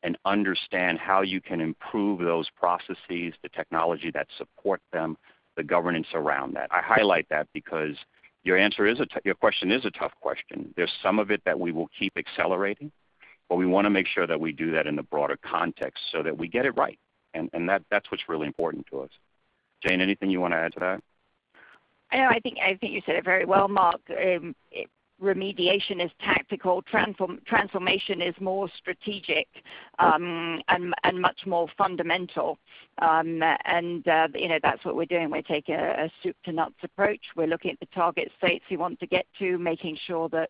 and understand how you can improve those processes, the technology that supports them, the governance around that. I highlight that because your question is a tough question. There's some of it that we will keep accelerating, but we want to make sure that we do that in the broader context so that we get it right, and that's what's really important to us. Jane, anything you want to add to that? I think you said it very well, Mark. Remediation is tactical. Transformation is more strategic, and much more fundamental. That's what we're doing. We're taking a soup to nuts approach. We're looking at the target states we want to get to, making sure that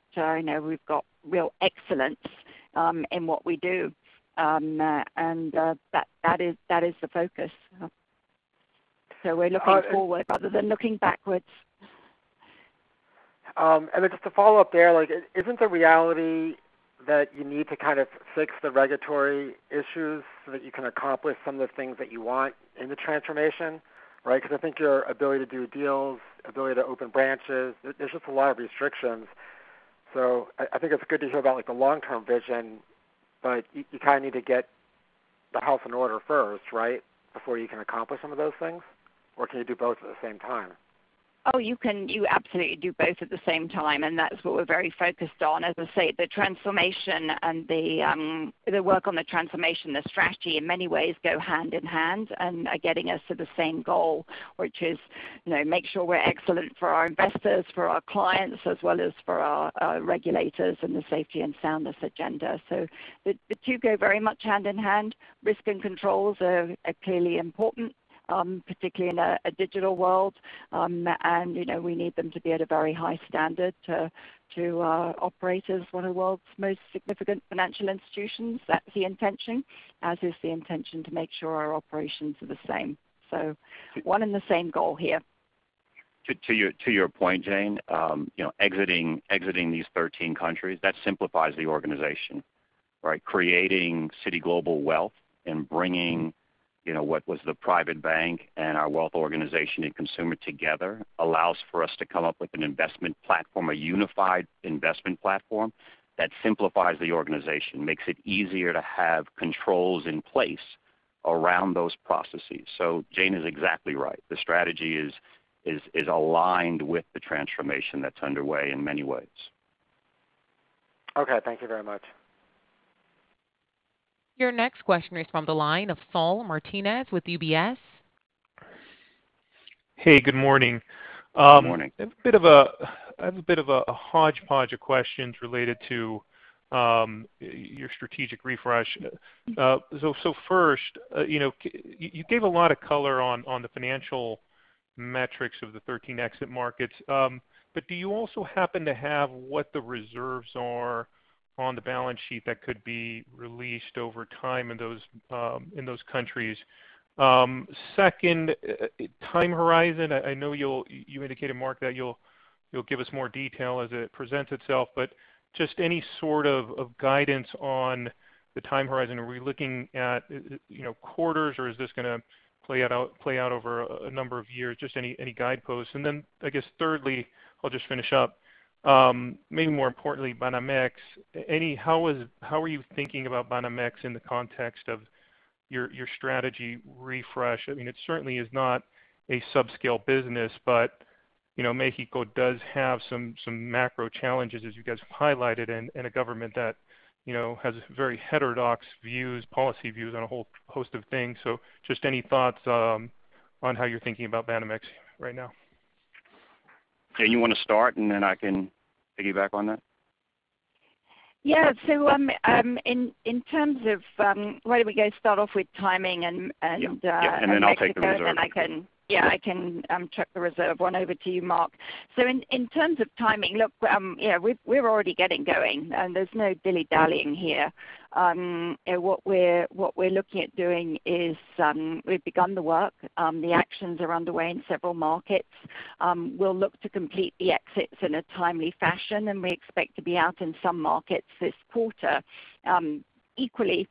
we've got real excellence, in what we do. That is the focus. We're looking forward rather than looking backwards. Just to follow up there, isn't the reality that you need to kind of fix the regulatory issues so that you can accomplish some of the things that you want in the transformation? Right? I think your ability to do deals, ability to open branches, there's just a lot of restrictions. I think it's good to hear about the long-term vision, but you kind of need to get the house in order first, right? Before you can accomplish some of those things? Can you do both at the same time? Oh, you can absolutely do both at the same time, and that's what we're very focused on. As I say, the transformation and the work on the transformation, the strategy, in many ways go hand in hand and are getting us to the same goal, which is make sure we're excellent for our investors, for our clients, as well as for our regulators and the safety and soundness agenda. The two go very much hand in hand. Risk and controls are clearly important, particularly in a digital world. We need them to be at a very high standard to operate as one of the world's most significant financial institutions. That's the intention, as is the intention to make sure our operations are the same. One in the same goal here. To your point, Jane, exiting these 13 countries, that simplifies the organization. Right? Creating Citi Global Wealth and bringing what was the private bank and our wealth organization and consumer together allows for us to come up with an investment platform, a unified investment platform that simplifies the organization, makes it easier to have controls in place around those processes. Jane is exactly right. The strategy is aligned with the transformation that's underway in many ways. Okay. Thank you very much. Your next question is from the line of Saul Martinez with UBS. Hey, good morning. Morning. I have a bit of a hodgepodge of questions related to your strategic refresh. First, you gave a lot of color on the financial metrics of the 13 exit markets. Do you also happen to have what the reserves are on the balance sheet that could be released over time in those countries? Second, time horizon. I know you indicated, Mark, that you'll give us more detail as it presents itself. Just any sort of guidance on the time horizon. Are we looking at quarters, or is this going to play out over a number of years? Just any guideposts. I guess thirdly, I'll just finish up. Maybe more importantly, Banamex. How are you thinking about Banamex in the context of your strategy refresh? It certainly is not a subscale business, Mexico does have some macro challenges, as you guys have highlighted, and a government that has very heterodox policy views on a whole host of things. Just any thoughts on how you're thinking about Banamex right now? Jane, you want to start, and then I can piggyback on that? Yeah. Why don't we go start off with timing. Yeah. Yeah, I'll take the reserve Mexico. Sure. Yeah, I can check the reserve one over to you, Mark. In terms of timing, look, we're already getting going, and there's no dilly-dallying here. What we're looking at doing is, we've begun the work. The actions are underway in several markets. We'll look to complete the exits in a timely fashion, and we expect to be out in some markets this quarter. Equally,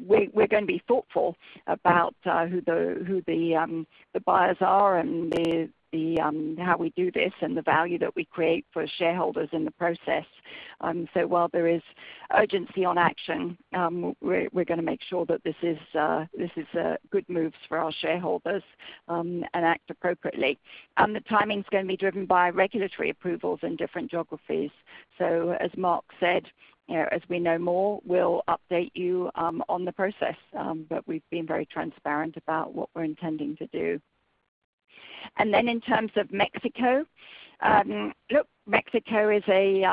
we're going to be thoughtful about who the buyers are and how we do this, and the value that we create for shareholders in the process. While there is urgency on action, we're going to make sure that this is good moves for our shareholders, and act appropriately. The timing's going to be driven by regulatory approvals in different geographies. As Mark said, as we know more, we'll update you on the process. We've been very transparent about what we're intending to do. Then in terms of Mexico, look, Mexico is a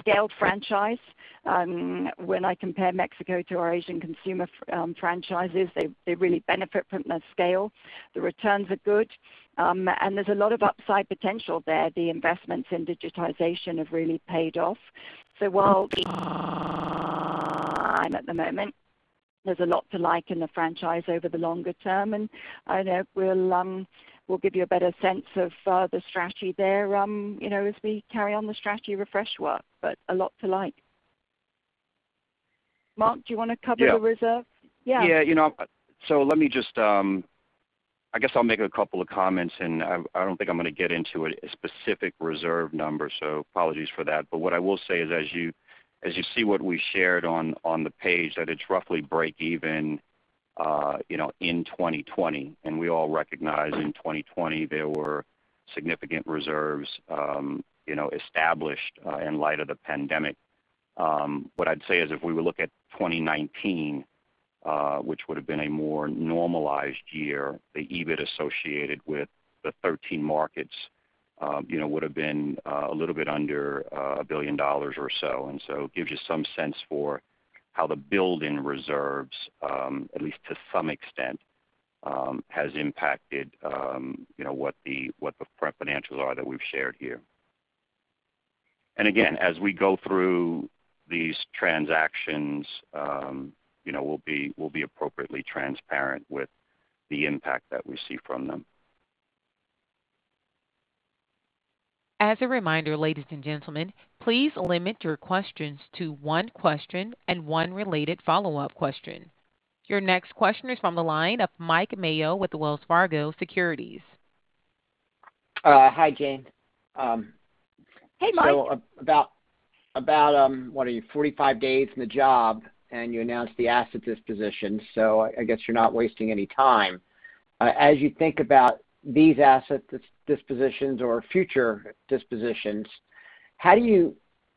scaled franchise. When I compare Mexico to our Asian consumer franchises, they really benefit from the scale. The returns are good. There's a lot of upside potential there. The investments in digitization have really paid off. While at the moment, there's a lot to like in the franchise over the longer term, and I know we'll give you a better sense of the strategy there as we carry on the strategy refresh work. A lot to like. Mark, do you want to cover the reserve? Yeah. Yeah. I guess I'll make a couple of comments. I don't think I'm going to get into a specific reserve number, apologies for that. What I will say is, as you see what we shared on the page, that it's roughly breakeven in 2020. We all recognize in 2020, there were significant reserves established in light of the pandemic. What I'd say is if we were to look at 2019, which would have been a more normalized year, the EBIT associated with the 13 markets would have been a little bit under $1 billion or so. It gives you some sense for how the build in reserves, at least to some extent, has impacted what the current financials are that we've shared here. Again, as we go through these transactions, we'll be appropriately transparent with the impact that we see from them. As a reminder, ladies and gentlemen, please limit your questions to one question and one related follow-up question. Your next question is from the line of Mike Mayo with Wells Fargo Securities. Hi, Jane. Hey, Mike. About, what are you, 45 days in the job, and you announce the asset disposition. I guess you're not wasting any time. As you think about these asset dispositions or future dispositions,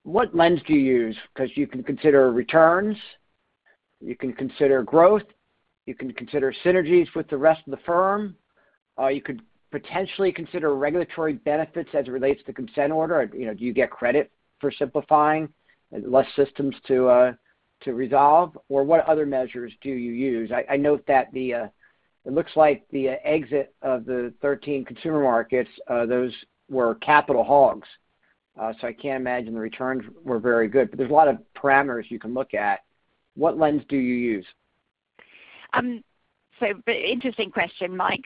what lens do you use? Because you can consider returns, you can consider growth, you can consider synergies with the rest of the firm, or you could potentially consider regulatory benefits as it relates to consent order. Do you get credit for simplifying less systems to resolve, or what other measures do you use? I note that it looks like the exit of the 13 consumer markets, those were capital hogs. I can't imagine the returns were very good. There's a lot of parameters you can look at. What lens do you use? Interesting question, Mike.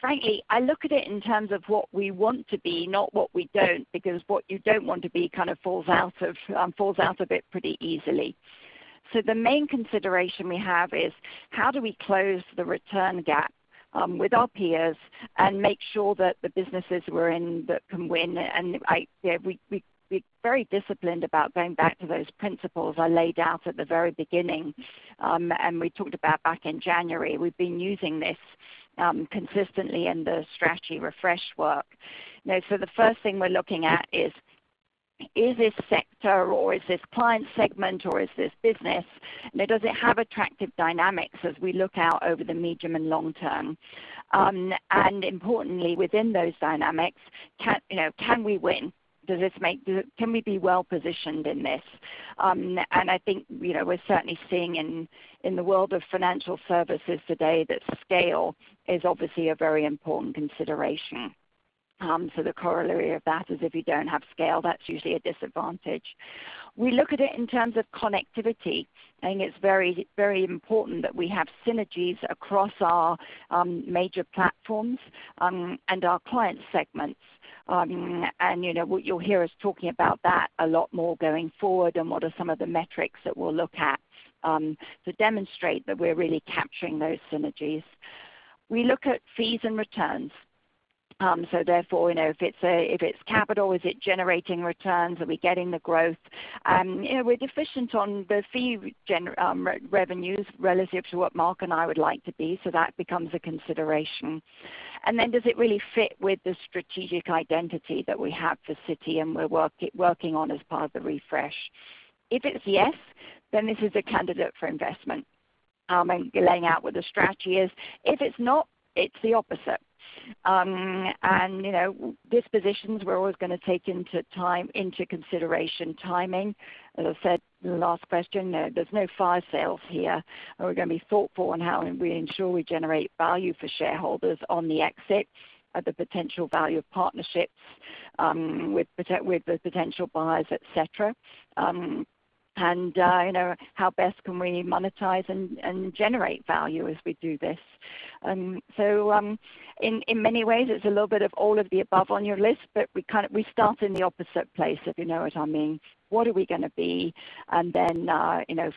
Frankly, I look at it in terms of what we want to be, not what we don't, because what you don't want to be kind of falls out of it pretty easily. The main consideration we have is how do we close the return gap with our peers and make sure that the businesses we're in can win. We're very disciplined about going back to those principles I laid out at the very beginning, and we talked about back in January. We've been using this consistently in the strategy refresh work. The first thing we're looking at is this sector or is this client segment, or is this business, does it have attractive dynamics as we look out over the medium and long term? Importantly, within those dynamics, can we win? Can we be well-positioned in this? I think we're certainly seeing in the world of financial services today that scale is obviously a very important consideration. The corollary of that is if you don't have scale, that's usually a disadvantage. We look at it in terms of connectivity. I think it's very important that we have synergies across our major platforms and our client segments. You'll hear us talking about that a lot more going forward, and what are some of the metrics that we'll look at to demonstrate that we're really capturing those synergies. We look at fees and returns. Therefore, if it's capital, is it generating returns? Are we getting the growth? We're deficient on the fee revenues relative to what Mark and I would like to be. That becomes a consideration. Then does it really fit with the strategic identity that we have for Citi and we're working on as part of the refresh? If it's yes, then this is a candidate for investment, and laying out what the strategy is. If it's not, it's the opposite. Dispositions, we're always going to take into consideration timing. As I said in the last question, there's no fire sales here, and we're going to be thoughtful on how we ensure we generate value for shareholders on the exit at the potential value of partnerships with the potential buyers, et cetera. How best can we monetize and generate value as we do this? In many ways, it's a little bit of all of the above on your list, but we start in the opposite place, if you know what I mean. What are we going to be?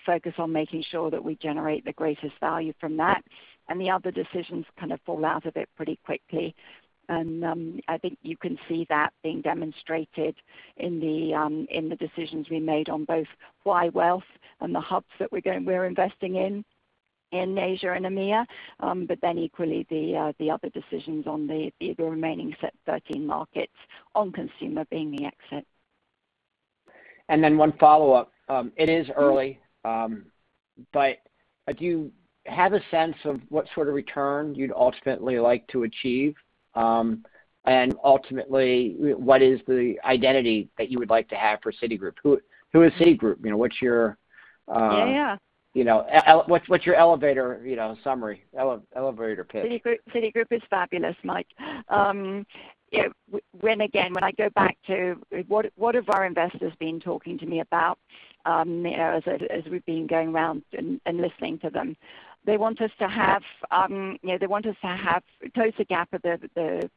Focus on making sure that we generate the greatest value from that. The other decisions kind of fall out of it pretty quickly. I think you can see that being demonstrated in the decisions we made on both Citi Global Wealth and the hubs that we're investing in Asia and EMEA. Equally, the other decisions on the remaining 13 markets on consumer being the exit. Then one follow-up. It is early, but do you have a sense of what sort of return you'd ultimately like to achieve? Ultimately, what is the identity that you would like to have for Citigroup? Who is Citigroup? Yeah. What's your elevator summary? Elevator pitch. Citigroup is fabulous, Mike. Again, when I go back to what have our investors been talking to me about as we've been going around and listening to them? They want us to close the gap of the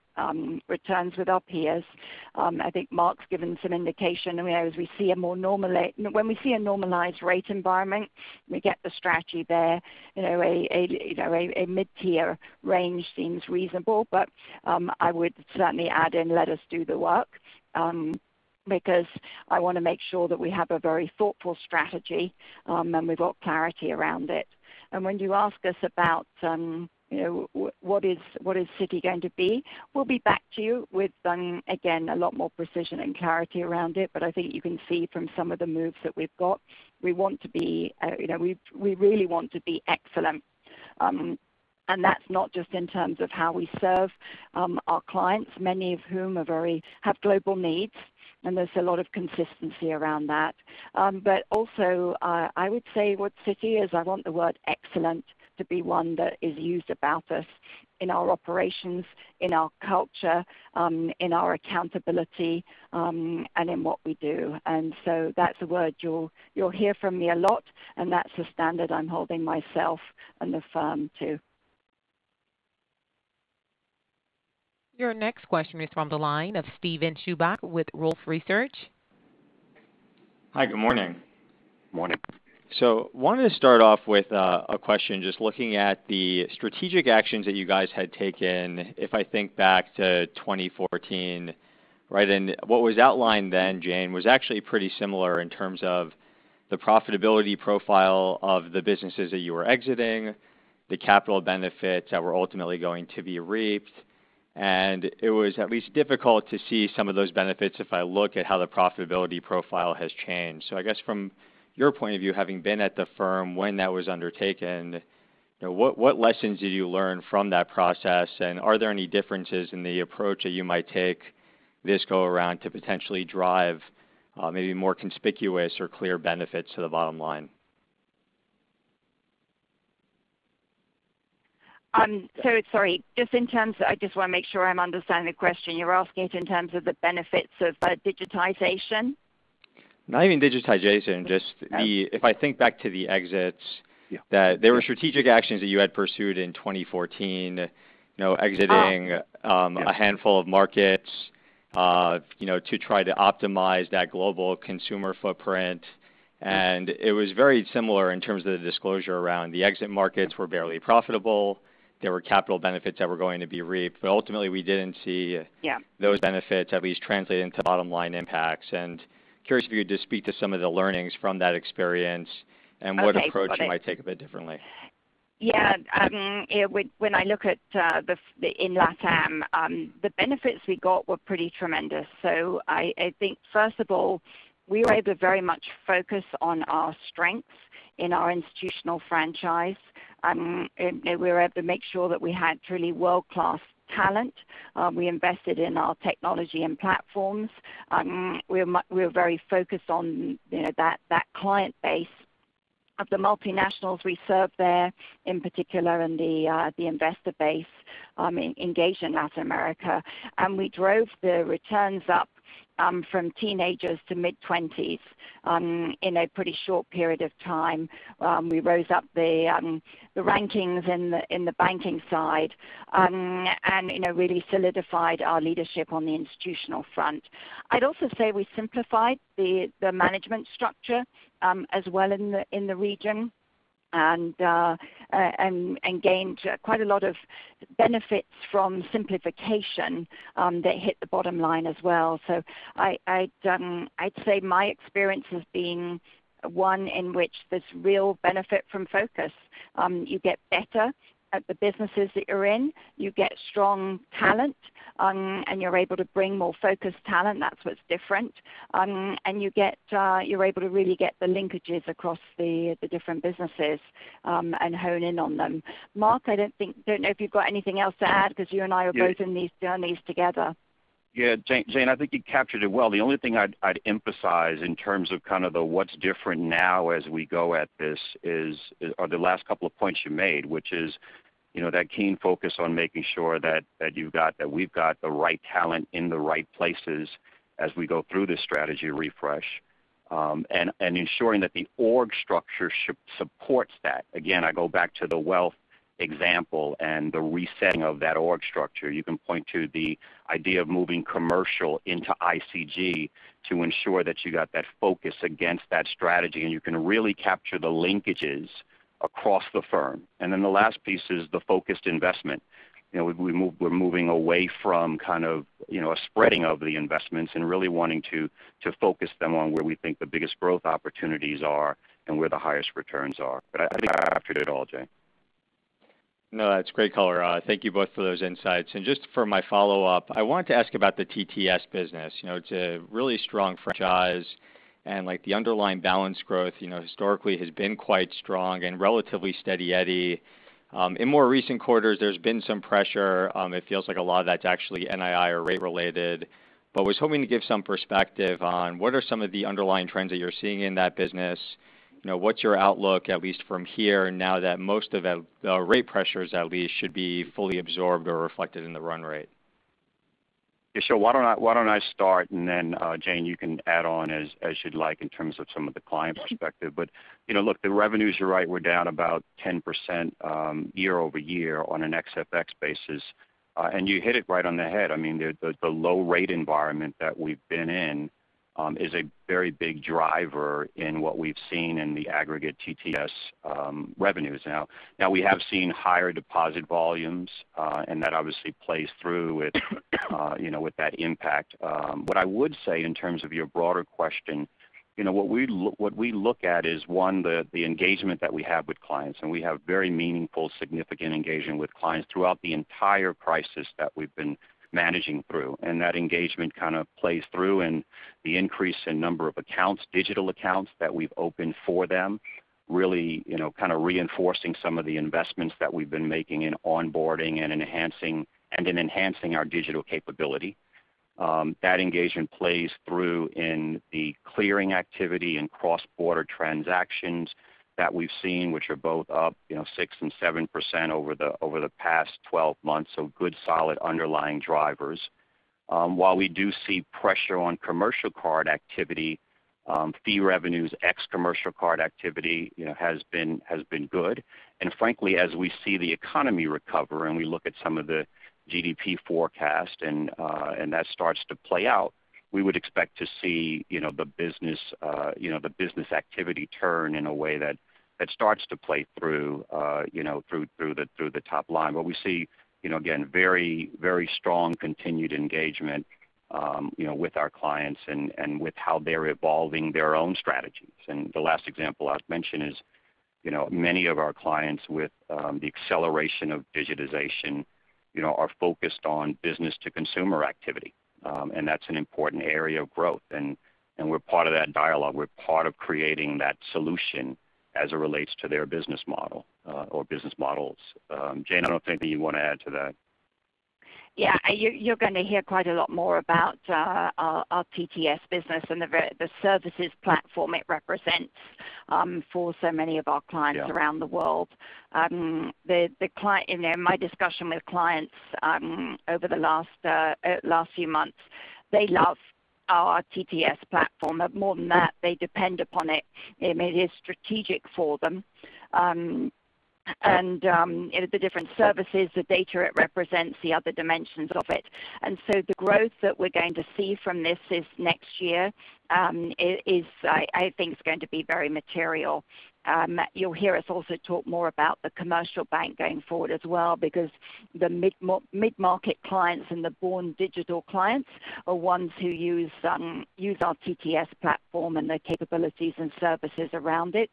returns with our peers. I think Mark's given some indication. We see a normalized rate environment, we get the strategy there. A mid-tier range seems reasonable, but I would certainly add in, let us do the work. I want to make sure that we have a very thoughtful strategy, and we've got clarity around it. When you ask us about what is Citi going to be, we'll be back to you with, again, a lot more precision and clarity around it. I think you can see from some of the moves that we've got, we really want to be excellent. That's not just in terms of how we serve our clients, many of whom have global needs, and there's a lot of consistency around that. Also, I would say what Citi is, I want the word excellent to be one that is used about us in our operations, in our culture, in our accountability, and in what we do. That's a word you'll hear from me a lot, and that's the standard I'm holding myself and the firm to. Your next question is from the line of Steven Chubak with Wolfe Research. Hi, good morning. Morning. Wanted to start off with a question, just looking at the strategic actions that you guys had taken, if I think back to 2014. What was outlined then, Jane, was actually pretty similar in terms of the profitability profile of the businesses that you were exiting, the capital benefits that were ultimately going to be reaped. It was at least difficult to see some of those benefits if I look at how the profitability profile has changed. I guess from your point of view, having been at the firm when that was undertaken, what lessons did you learn from that process? Are there any differences in the approach that you might take this go around to potentially drive maybe more conspicuous or clear benefits to the bottom line? Sorry. I just want to make sure I'm understanding the question. You're asking it in terms of the benefits of digitization? Not even digitization, just if I think back to the exits, that there were strategic actions that you had pursued in 2014, exiting. Uh-huh. Yeah. A handful of markets, to try to optimize that global consumer footprint. It was very similar in terms of the disclosure around the exit markets were barely profitable. There were capital benefits that were going to be reaped. Yeah. Those benefits at least translate into bottom-line impacts. Curious if you would just speak to some of the learnings from that experience? Okay. Got it. You might take a bit differently. Yeah. When I look at in LATAM, the benefits we got were pretty tremendous. I think first of all, we were able to very much focus on our strengths in our institutional franchise. We were able to make sure that we had truly world-class talent. We invested in our technology and platforms. We were very focused on that client base of the multinationals we serve there, in particular in the investor base engaged in Latin America. We drove the returns up from teenagers to mid-20s in a pretty short period of time. We rose up the rankings in the banking side, and really solidified our leadership on the institutional front. I'd also say we simplified the management structure as well in the region and gained quite a lot of benefits from simplification that hit the bottom line as well. I'd say my experience has been one in which there's real benefit from focus. You get better at the businesses that you're in, you get strong talent, and you're able to bring more focused talent. That's what's different. You're able to really get the linkages across the different businesses, and hone in on them. Mark, I don't know if you've got anything else to add, because you and I. Yeah. Are both in these journeys together. Yeah. Jane, I think you captured it well. The only thing I'd emphasize in terms of the what's different now as we go at this are the last couple of points you made, which is that keen focus on making sure that we've got the right talent in the right places as we go through this strategy refresh. Ensuring that the org structure supports that. Again, I go back to the wealth example and the resetting of that org structure. You can point to the idea of moving commercial into ICG to ensure that you got that focus against that strategy, and you can really capture the linkages across the firm. The last piece is the focused investment. We're moving away from a spreading of the investments and really wanting to focus them on where we think the biggest growth opportunities are and where the highest returns are. I think you captured it all, Jane. No, that's great color. Thank you both for those insights. Just for my follow-up, I wanted to ask about the TTS business. It's a really strong franchise, and the underlying balance growth historically has been quite strong and relatively steady-eddy. In more recent quarters, there's been some pressure. It feels like a lot of that's actually NII or rate related. Was hoping to give some perspective on what are some of the underlying trends that you're seeing in that business. What's your outlook, at least from here, now that most of the rate pressures at least should be fully absorbed or reflected in the run rate? Yeah, sure. Why don't I start, and then, Jane, you can add on as you'd like in terms of some of the client perspective. Look, the revenues, you're right, we're down about 10% year-over-year on an ex-FX basis. You hit it right on the head. I mean, the low rate environment that we've been in is a very big driver in what we've seen in the aggregate TTS revenues. Now, we have seen higher deposit volumes, and that obviously plays through with that impact. What I would say in terms of your broader question, what we look at is, one, the engagement that we have with clients, and we have very meaningful, significant engagement with clients throughout the entire crisis that we've been managing through. That engagement kind of plays through in the increase in number of accounts, digital accounts that we've opened for them, really kind of reinforcing some of the investments that we've been making in onboarding and in enhancing our digital capability. That engagement plays through in the clearing activity and cross-border transactions that we've seen, which are both up 6% and 7% over the past 12 months, so good solid underlying drivers. While we do see pressure on commercial card activity, fee revenues, ex commercial card activity has been good. Frankly, as we see the economy recover and we look at some of the GDP forecast and that starts to play out, we would expect to see the business activity turn in a way that starts to play through the top line. We see, again, very strong continued engagement with our clients and with how they're evolving their own strategies. The last example I'd mention is, many of our clients with the acceleration of digitization are focused on business to consumer activity, and that's an important area of growth. We're part of that dialogue. We're part of creating that solution as it relates to their business model or business models. Jane, I don't know if anything you want to add to that? Yeah. You're going to hear quite a lot more about our TTS business and the services platform it represents for so many of our clients around the world. Yeah. In my discussion with clients over the last few months, they love our TTS platform. More than that, they depend upon it. It is strategic for them. The different services, the data it represents, the other dimensions of it. The growth that we're going to see from this is next year, I think is going to be very material. You'll hear us also talk more about the commercial bank going forward as well because the mid-market clients and the born digital clients are ones who use our TTS platform and the capabilities and services around it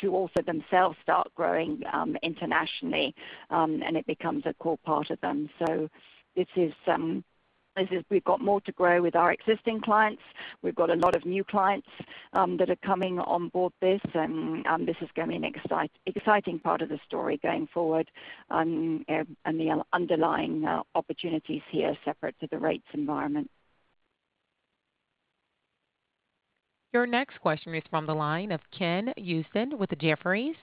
to also themselves start growing internationally. It becomes a core part of them. We've got more to grow with our existing clients. We've got a lot of new clients that are coming on board this, and this is going to be an exciting part of the story going forward. The underlying opportunities here are separate to the rates environment. Your next question is from the line of Ken Usdin with Jefferies.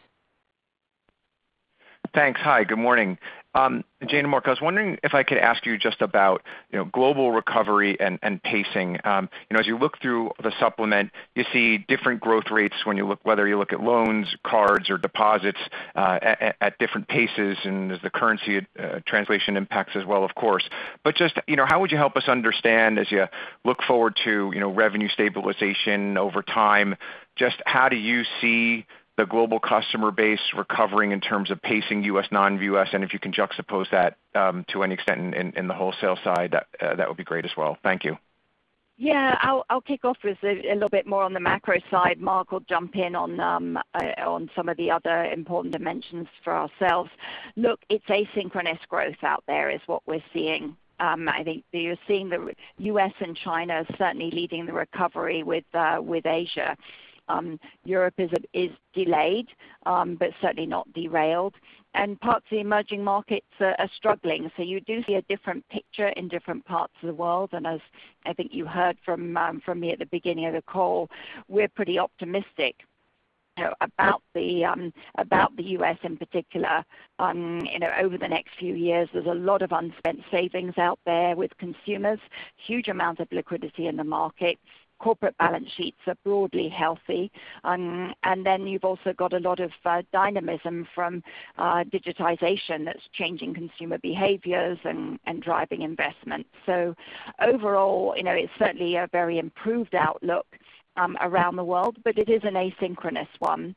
Thanks. Hi, good morning. Jane and Mark, I was wondering if I could ask you just about global recovery and pacing. As you look through the supplement, you see different growth rates whether you look at loans, cards, or deposits at different paces, and there's the currency translation impacts as well, of course. Just how would you help us understand as you look forward to revenue stabilization over time, just how do you see the global customer base recovering in terms of pacing U.S., non-U.S.? If you can juxtapose that to any extent in the wholesale side, that would be great as well. Thank you. Yeah. I'll kick off with a little bit more on the macro side. Mark will jump in on some of the other important dimensions for ourselves. Look, it's asynchronous growth out there is what we're seeing. I think you're seeing the U.S. and China certainly leading the recovery with Asia. Europe is delayed, but certainly not derailed. Parts of the emerging markets are struggling. You do see a different picture in different parts of the world. As I think you heard from me at the beginning of the call, we're pretty optimistic about the U.S. in particular over the next few years. There's a lot of unspent savings out there with consumers. Huge amounts of liquidity in the market. Corporate balance sheets are broadly healthy. You've also got a lot of dynamism from digitization that's changing consumer behaviors and driving investment. Overall, it's certainly a very improved outlook around the world, but it is an asynchronous one.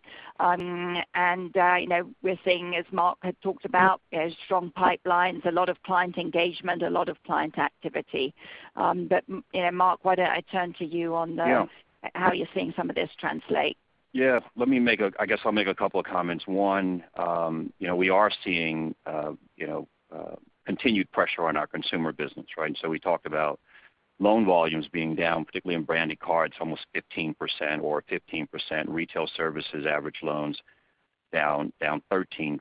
We're seeing, as Mark had talked about, strong pipelines, a lot of client engagement, a lot of client activity. Mark, why don't I turn to you on. Yeah. How you're seeing some of this translate? Yeah. I guess I'll make a couple of comments. One, we are seeing continued pressure on our consumer business. We talked about loan volumes being down, particularly in Branded Cards, almost 15% or 15% Retail Services average loans down 13%.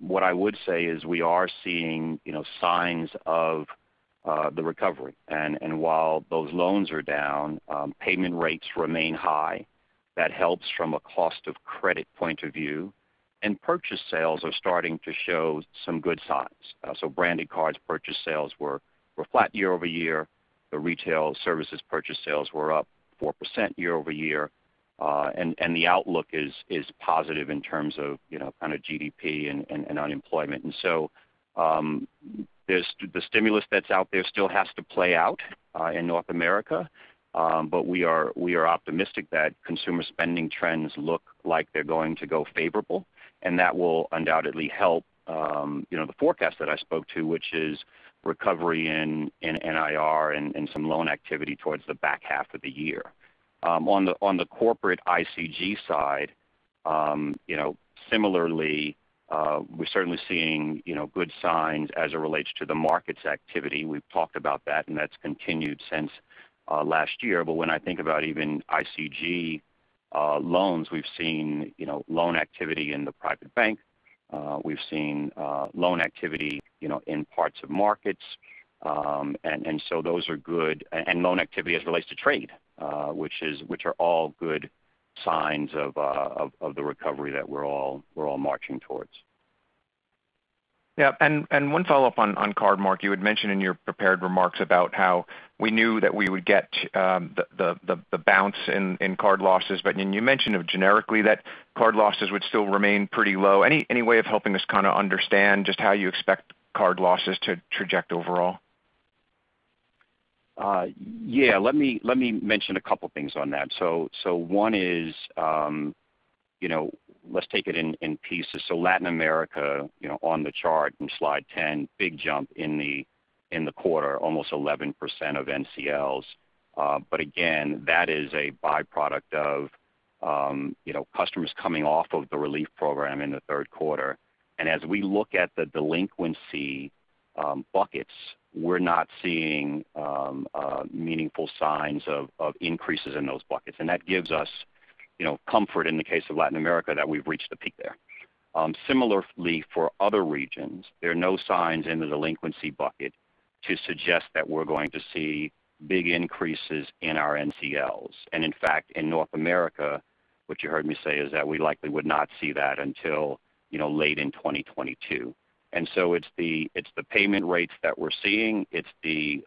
What I would say is we are seeing signs of the recovery. While those loans are down, payment rates remain high. That helps from a cost of credit point of view. Purchase sales are starting to show some good signs. Branded Cards purchase sales were flat year-over-year. The Retail Services purchase sales were up 4% year-over-year. The outlook is positive in terms of kind of GDP and unemployment. The stimulus that's out there still has to play out in North America. We are optimistic that consumer spending trends look like they're going to go favorable, and that will undoubtedly help the forecast that I spoke to, which is recovery in NIR and some loan activity towards the back half of the year. On the corporate ICG side similarly, we're certainly seeing good signs as it relates to the markets activity. We've talked about that, and that's continued since last year. When I think about even ICG loans, we've seen loan activity in the private bank. We've seen loan activity in parts of markets. Loan activity as it relates to trade, which are all good signs of the recovery that we're all marching towards. Yeah. One follow-up on card, Mark. You had mentioned in your prepared remarks about how we knew that we would get the bounce in card losses. You mentioned generically that card losses would still remain pretty low. Any way of helping us kind of understand just how you expect card losses to traject overall? Yeah. Let me mention a couple things on that. One is let's take it in pieces. Latin America on the chart from slide 10, big jump in the quarter, almost 11% of NCLs. Again, that is a byproduct of customers coming off of the relief program in the third quarter. As we look at the delinquency buckets, we're not seeing meaningful signs of increases in those buckets. That gives us comfort in the case of Latin America that we've reached a peak there. Similarly for other regions, there are no signs in the delinquency bucket to suggest that we're going to see big increases in our NCLs. In fact, in North America, what you heard me say is that we likely would not see that until late in 2022. It's the payment rates that we're seeing. It's the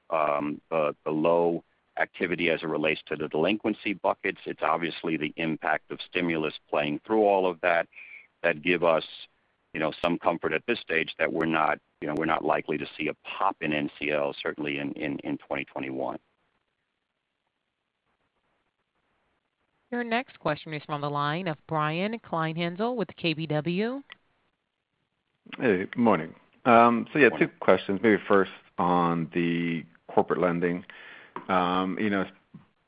low activity as it relates to the delinquency buckets. It's obviously the impact of stimulus playing through all of that give us some comfort at this stage that we're not likely to see a pop in NCLs certainly in 2021. Your next question is from the line of Brian Kleinhanzl with KBW. Hey, good morning. Morning. Yeah, two questions.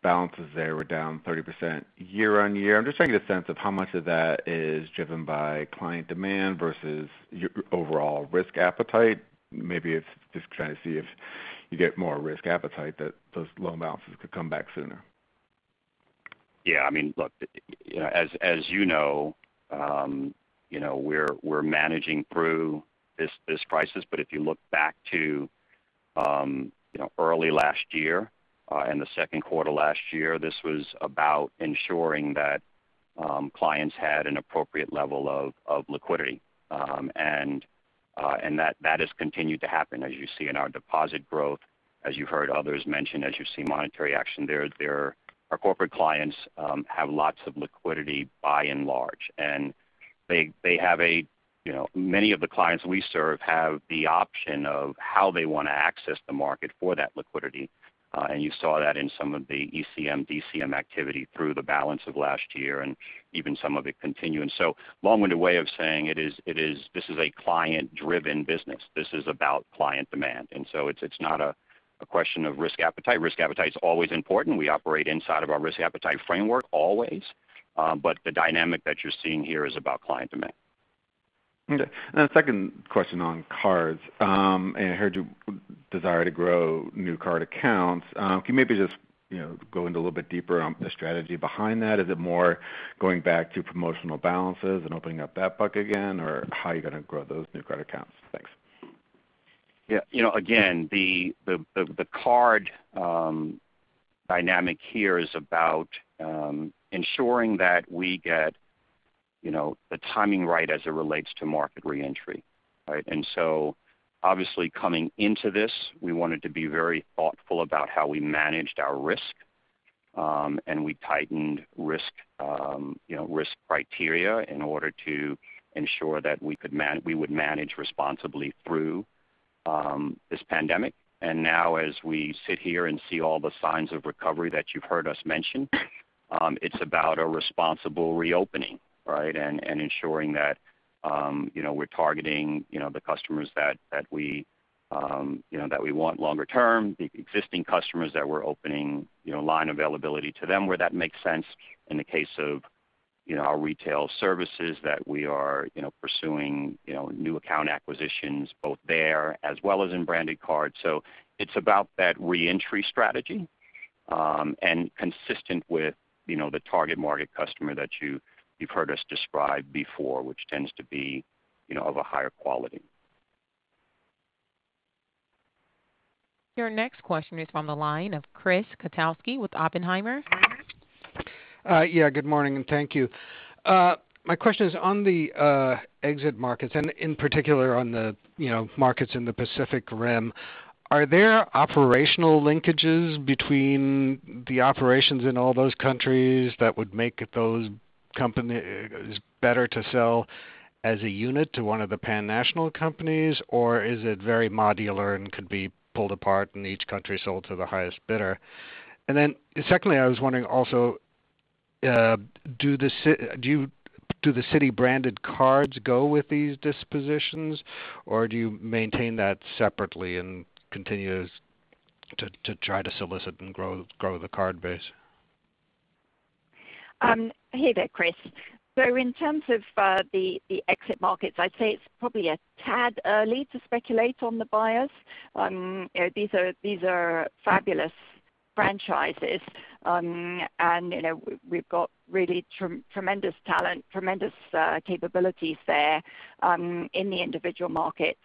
Balances there were down 30% year-on-year. I'm just trying to get a sense of how much of that is driven by client demand versus your overall risk appetite. Maybe it's just trying to see if you get more risk appetite that those loan balances could come back sooner. Yeah. I mean, look, as you know we're managing through this crisis. If you look back to early last year, and the second quarter last year, this was about ensuring that clients had an appropriate level of liquidity. That has continued to happen, as you see in our deposit growth, as you've heard others mention, as you see monetary action there. Our corporate clients have lots of liquidity by and large, and many of the clients we serve have the option of how they want to access the market for that liquidity. You saw that in some of the ECM, DCM activity through the balance of last year and even some of it continuing. Long-winded way of saying this is a client-driven business. This is about client demand, and so it's not a question of risk appetite. Risk appetite's always important. We operate inside of our risk appetite framework always. The dynamic that you're seeing here is about client demand. Okay. A second question on cards. I heard your desire to grow new card accounts. Can you maybe just go into a little bit deeper on the strategy behind that? Is it more going back to promotional balances and opening up that bucket again? How are you going to grow those new card accounts? Thanks. Yeah. Again, the card dynamic here is about ensuring that we get the timing right as it relates to market reentry, right? Obviously coming into this, we wanted to be very thoughtful about how we managed our risk. We tightened risk criteria in order to ensure that we would manage responsibly through this pandemic. Now as we sit here and see all the signs of recovery that you've heard us mention, it's about a responsible reopening, right? Ensuring that we're targeting the customers that we want longer term, the existing customers that we're opening line availability to them where that makes sense. In the case of our Retail Services that we are pursuing new account acquisitions both there as well as in Branded Cards. It's about that reentry strategy, and consistent with the target market customer that you've heard us describe before, which tends to be of a higher quality. Your next question is from the line of Chris Kotowski with Oppenheimer. Good morning, thank you. My question is on the exit markets, in particular, on the markets in the Pacific Rim. Are there operational linkages between the operations in all those countries that would make those companies better to sell as a unit to one of the pan-national companies? Is it very modular and could be pulled apart and each country sold to the highest bidder? Secondly, I was wondering also, do the Citi-branded Cards go with these dispositions, or do you maintain that separately and continue to try to solicit and grow the card base? Hey there, Chris. In terms of the exit markets, I'd say it's probably a tad early to speculate on the buyers. These are fabulous franchises. We've got really tremendous talent, tremendous capabilities there in the individual markets.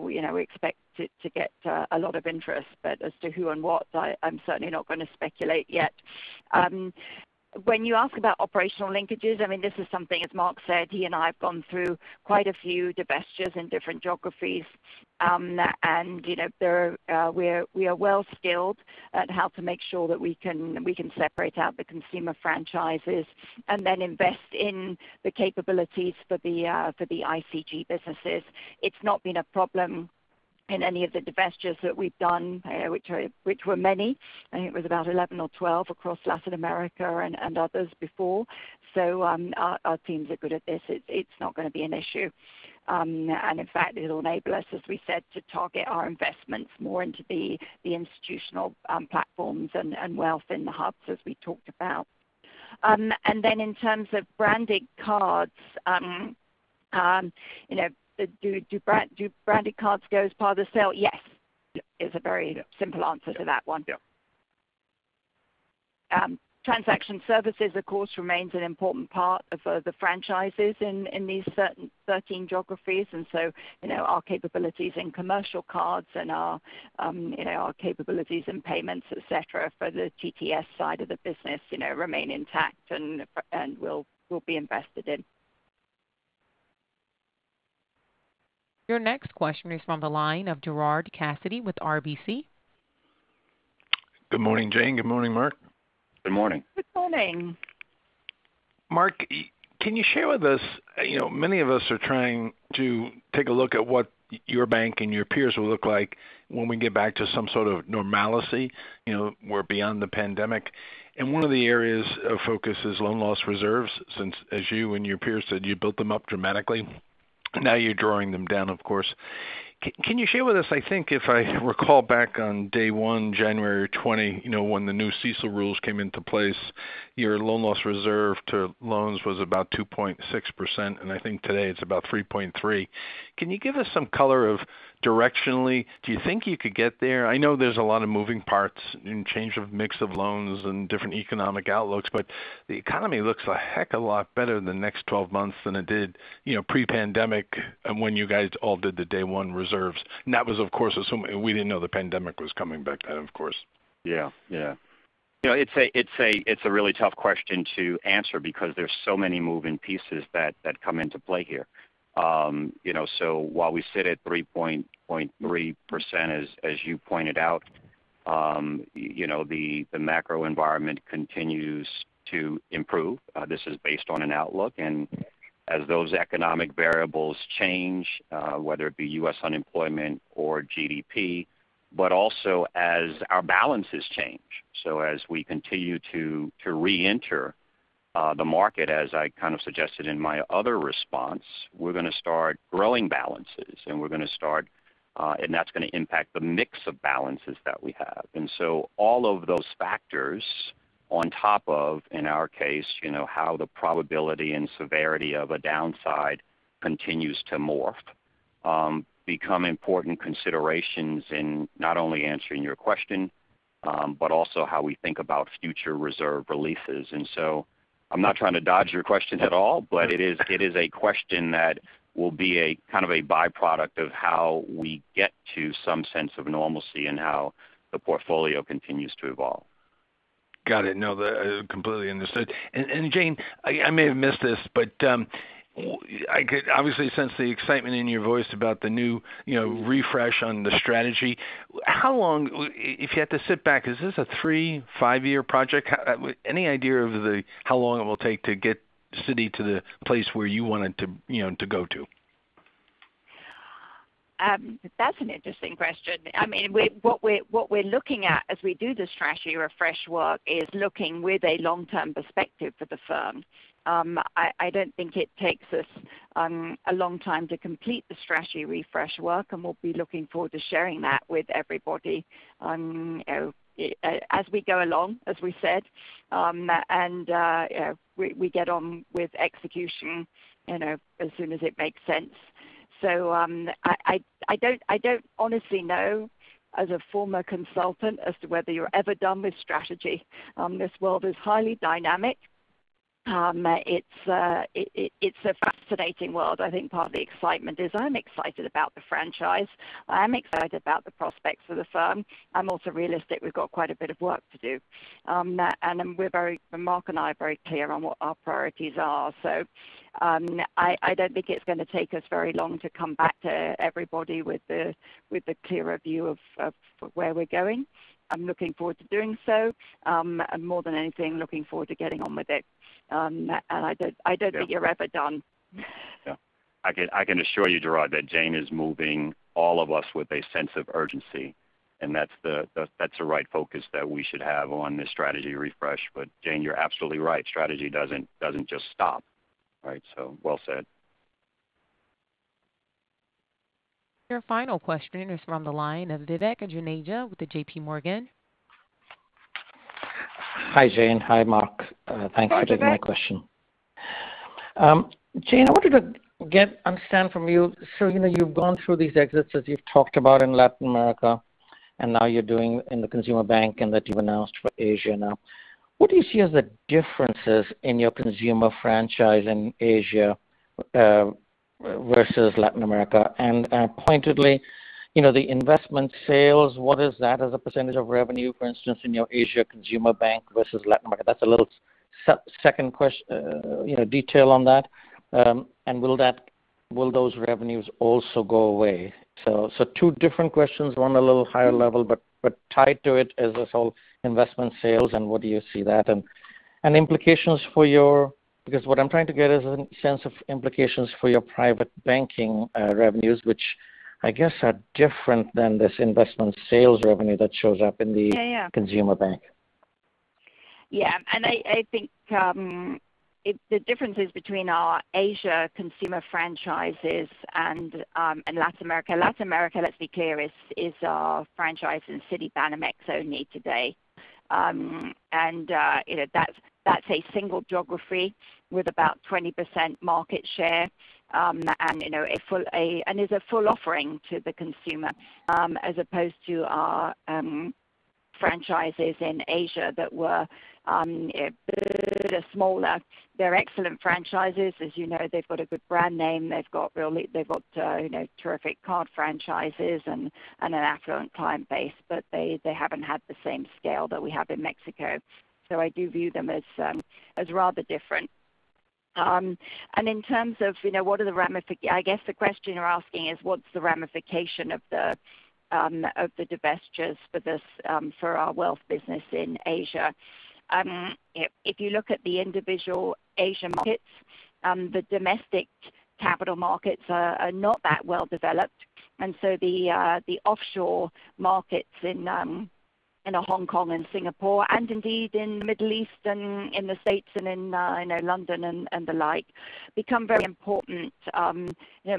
We expect to get a lot of interest. As to who and what, I'm certainly not going to speculate yet. When you ask about operational linkages, this is something, as Mark said, he and I have gone through quite a few divestitures in different geographies. We are well-skilled at how to make sure that we can separate out the consumer franchises and then invest in the capabilities for the ICG businesses. It's not been a problem in any of the divestitures that we've done, which were many. I think it was about 11 or 12 across Latin America and others before. Our teams are good at this. It's not going to be an issue. In fact, it'll enable us, as we said, to target our investments more into the institutional platforms and wealth in the hubs, as we talked about. Then in terms of Branded Cards, do Branded Cards go as part of the sale? Yes, is a very simple answer to that one. Yeah. Transaction services, of course, remains an important part of the franchises in these 13 geographies. Our capabilities in commercial cards and our capabilities in payments, et cetera, for the TTS side of the business remain intact and will be invested in. Your next question is from the line of Gerard Cassidy with RBC. Good morning, Jane. Good morning, Mark. Good morning. Good morning. Mark, can you share with us. Many of us are trying to take a look at what your bank and your peers will look like when we get back to some sort of normalcy, we're beyond the pandemic. One of the areas of focus is loan loss reserves, since as you and your peers said you built them up dramatically. Now you're drawing them down, of course. Can you share with us, I think if I recall back on day one, January 20, when the new CECL rules came into place, your loan loss reserve to loans was about 2.6%, and I think today it's about 3.3%. Can you give us some color of directionally, do you think you could get there? I know there's a lot of moving parts and change of mix of loans and different economic outlooks, but the economy looks a heck a lot better in the next 12 months than it did pre-pandemic, and when you guys all did the day one reserves. That was, of course. We didn't know the pandemic was coming back then, of course. Yeah. It's a really tough question to answer because there's so many moving pieces that come into play here. While we sit at 3.3%, as you pointed out, the macro environment continues to improve. As those economic variables change, whether it be U.S. unemployment or GDP, but also as our balances change. As we continue to reenter the market, as I kind of suggested in my other response, we're going to start growing balances, and that's going to impact the mix of balances that we have. All of those factors on top of, in our case, how the probability and severity of a downside continues to morph, become important considerations in not only answering your question, but also how we think about future reserve releases. I'm not trying to dodge your question at all, but it is a question that will be a kind of a byproduct of how we get to some sense of normalcy and how the portfolio continues to evolve. Got it. No, completely understood. Jane, I may have missed this, but I could obviously sense the excitement in your voice about the new refresh on the strategy. How long, if you had to sit back, is this a three, five-year project? Any idea of how long it will take to get Citi to the place where you want it to go to? That's an interesting question. What we're looking at as we do the strategy refresh work is looking with a long-term perspective for the firm. I don't think it takes us a long time to complete the strategy refresh work, and we'll be looking forward to sharing that with everybody as we go along, as we said. We get on with execution as soon as it makes sense. I don't honestly know, as a former consultant, as to whether you're ever done with strategy. This world is highly dynamic. It's a fascinating world. I think part of the excitement is I'm excited about the franchise. I am excited about the prospects for the firm. I'm also realistic. We've got quite a bit of work to do. Mark and I are very clear on what our priorities are. I don't think it's going to take us very long to come back to everybody with a clearer view of where we're going. I'm looking forward to doing so, more than anything, looking forward to getting on with it. I don't think you're ever done. Yeah. I can assure you, Gerard, that Jane is moving all of us with a sense of urgency, and that's the right focus that we should have on this strategy refresh. Jane, you're absolutely right. Strategy doesn't just stop. Well said. Your final question is from the line of Vivek Juneja with the JPMorgan. Hi, Jane. Hi, Mark. Thank you for taking my question. Hi, Vivek. Jane, I wanted to understand from you. You've gone through these exits, as you've talked about in Latin America, and now you're doing in the consumer bank, and that you've announced for Asia now. What do you see as the differences in your consumer franchise in Asia versus Latin America? Pointedly the investment sales, what is that as a percentage of revenue, for instance, in your Asia consumer bank versus Latin America? That's a little second detail on that. Will those revenues also go away? Two different questions, one a little higher level, but tied to it is this whole investment sales and what do you see that, and implications for your private banking revenues, which I guess are different than this investment sales revenue that shows up in the. Yeah. Consumer bank. Yeah. I think the differences between our Asia consumer franchises and Latin America. Latin America, let's be clear, is our franchise in Citibanamex only today. That's a single geography with about 20% market share, and is a full offering to the consumer as opposed to our franchises in Asia that were a bit smaller. They're excellent franchises. As you know, they've got a good brand name. They've got terrific card franchises and an affluent client base, but they haven't had the same scale that we have in Mexico. I do view them as rather different. I guess the question you're asking is what's the ramification of the divestitures for our wealth business in Asia? If you look at the individual Asian markets, the domestic capital markets are not that well-developed. The offshore markets in Hong Kong and Singapore, and indeed in the Middle East and in the United States and in London and the like, become very important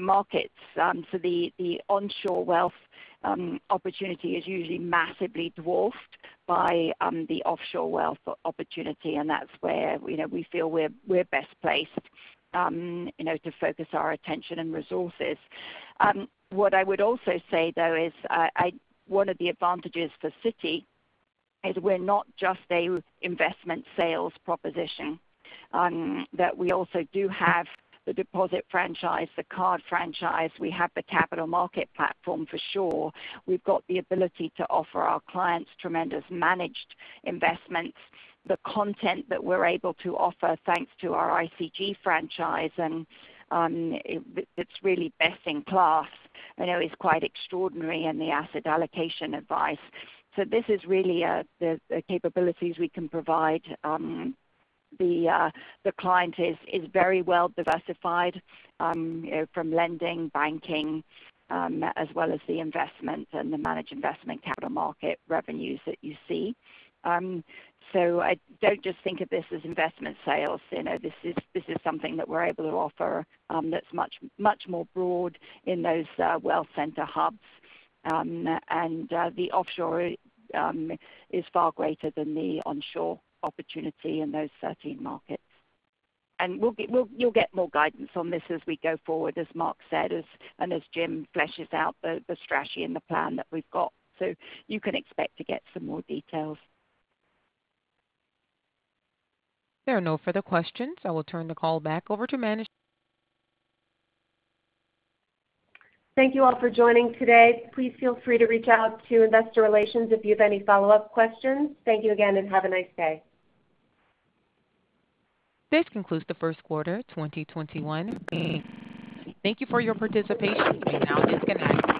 markets. The onshore wealth opportunity is usually massively dwarfed by the offshore wealth opportunity, and that's where we feel we're best placed to focus our attention and resources. What I would also say, though, is one of the advantages for Citi is we're not just an investment sales proposition, that we also do have the deposit franchise, the card franchise. We have the capital market platform for sure. We've got the ability to offer our clients tremendous managed investments. The content that we're able to offer, thanks to our ICG franchise, and it's really best in class. I know it's quite extraordinary in the asset allocation advice. This is really the capabilities we can provide. The client is very well-diversified from lending, banking, as well as the investment and the managed investment capital market revenues that you see. I don't just think of this as investment sales. This is something that we're able to offer that's much more broad in those wealth center hubs. The offshore is far greater than the onshore opportunity in those 13 markets. You'll get more guidance on this as we go forward, as Mark said, and as Jim fleshes out the strategy and the plan that we've got. You can expect to get some more details. There are no further questions. I will turn the call back over to management. Thank you all for joining today. Please feel free to reach out to investor relations if you have any follow-up questions. Thank you again, and have a nice day. This concludes the first quarter 2021. Thank you for your participation. You may now disconnect.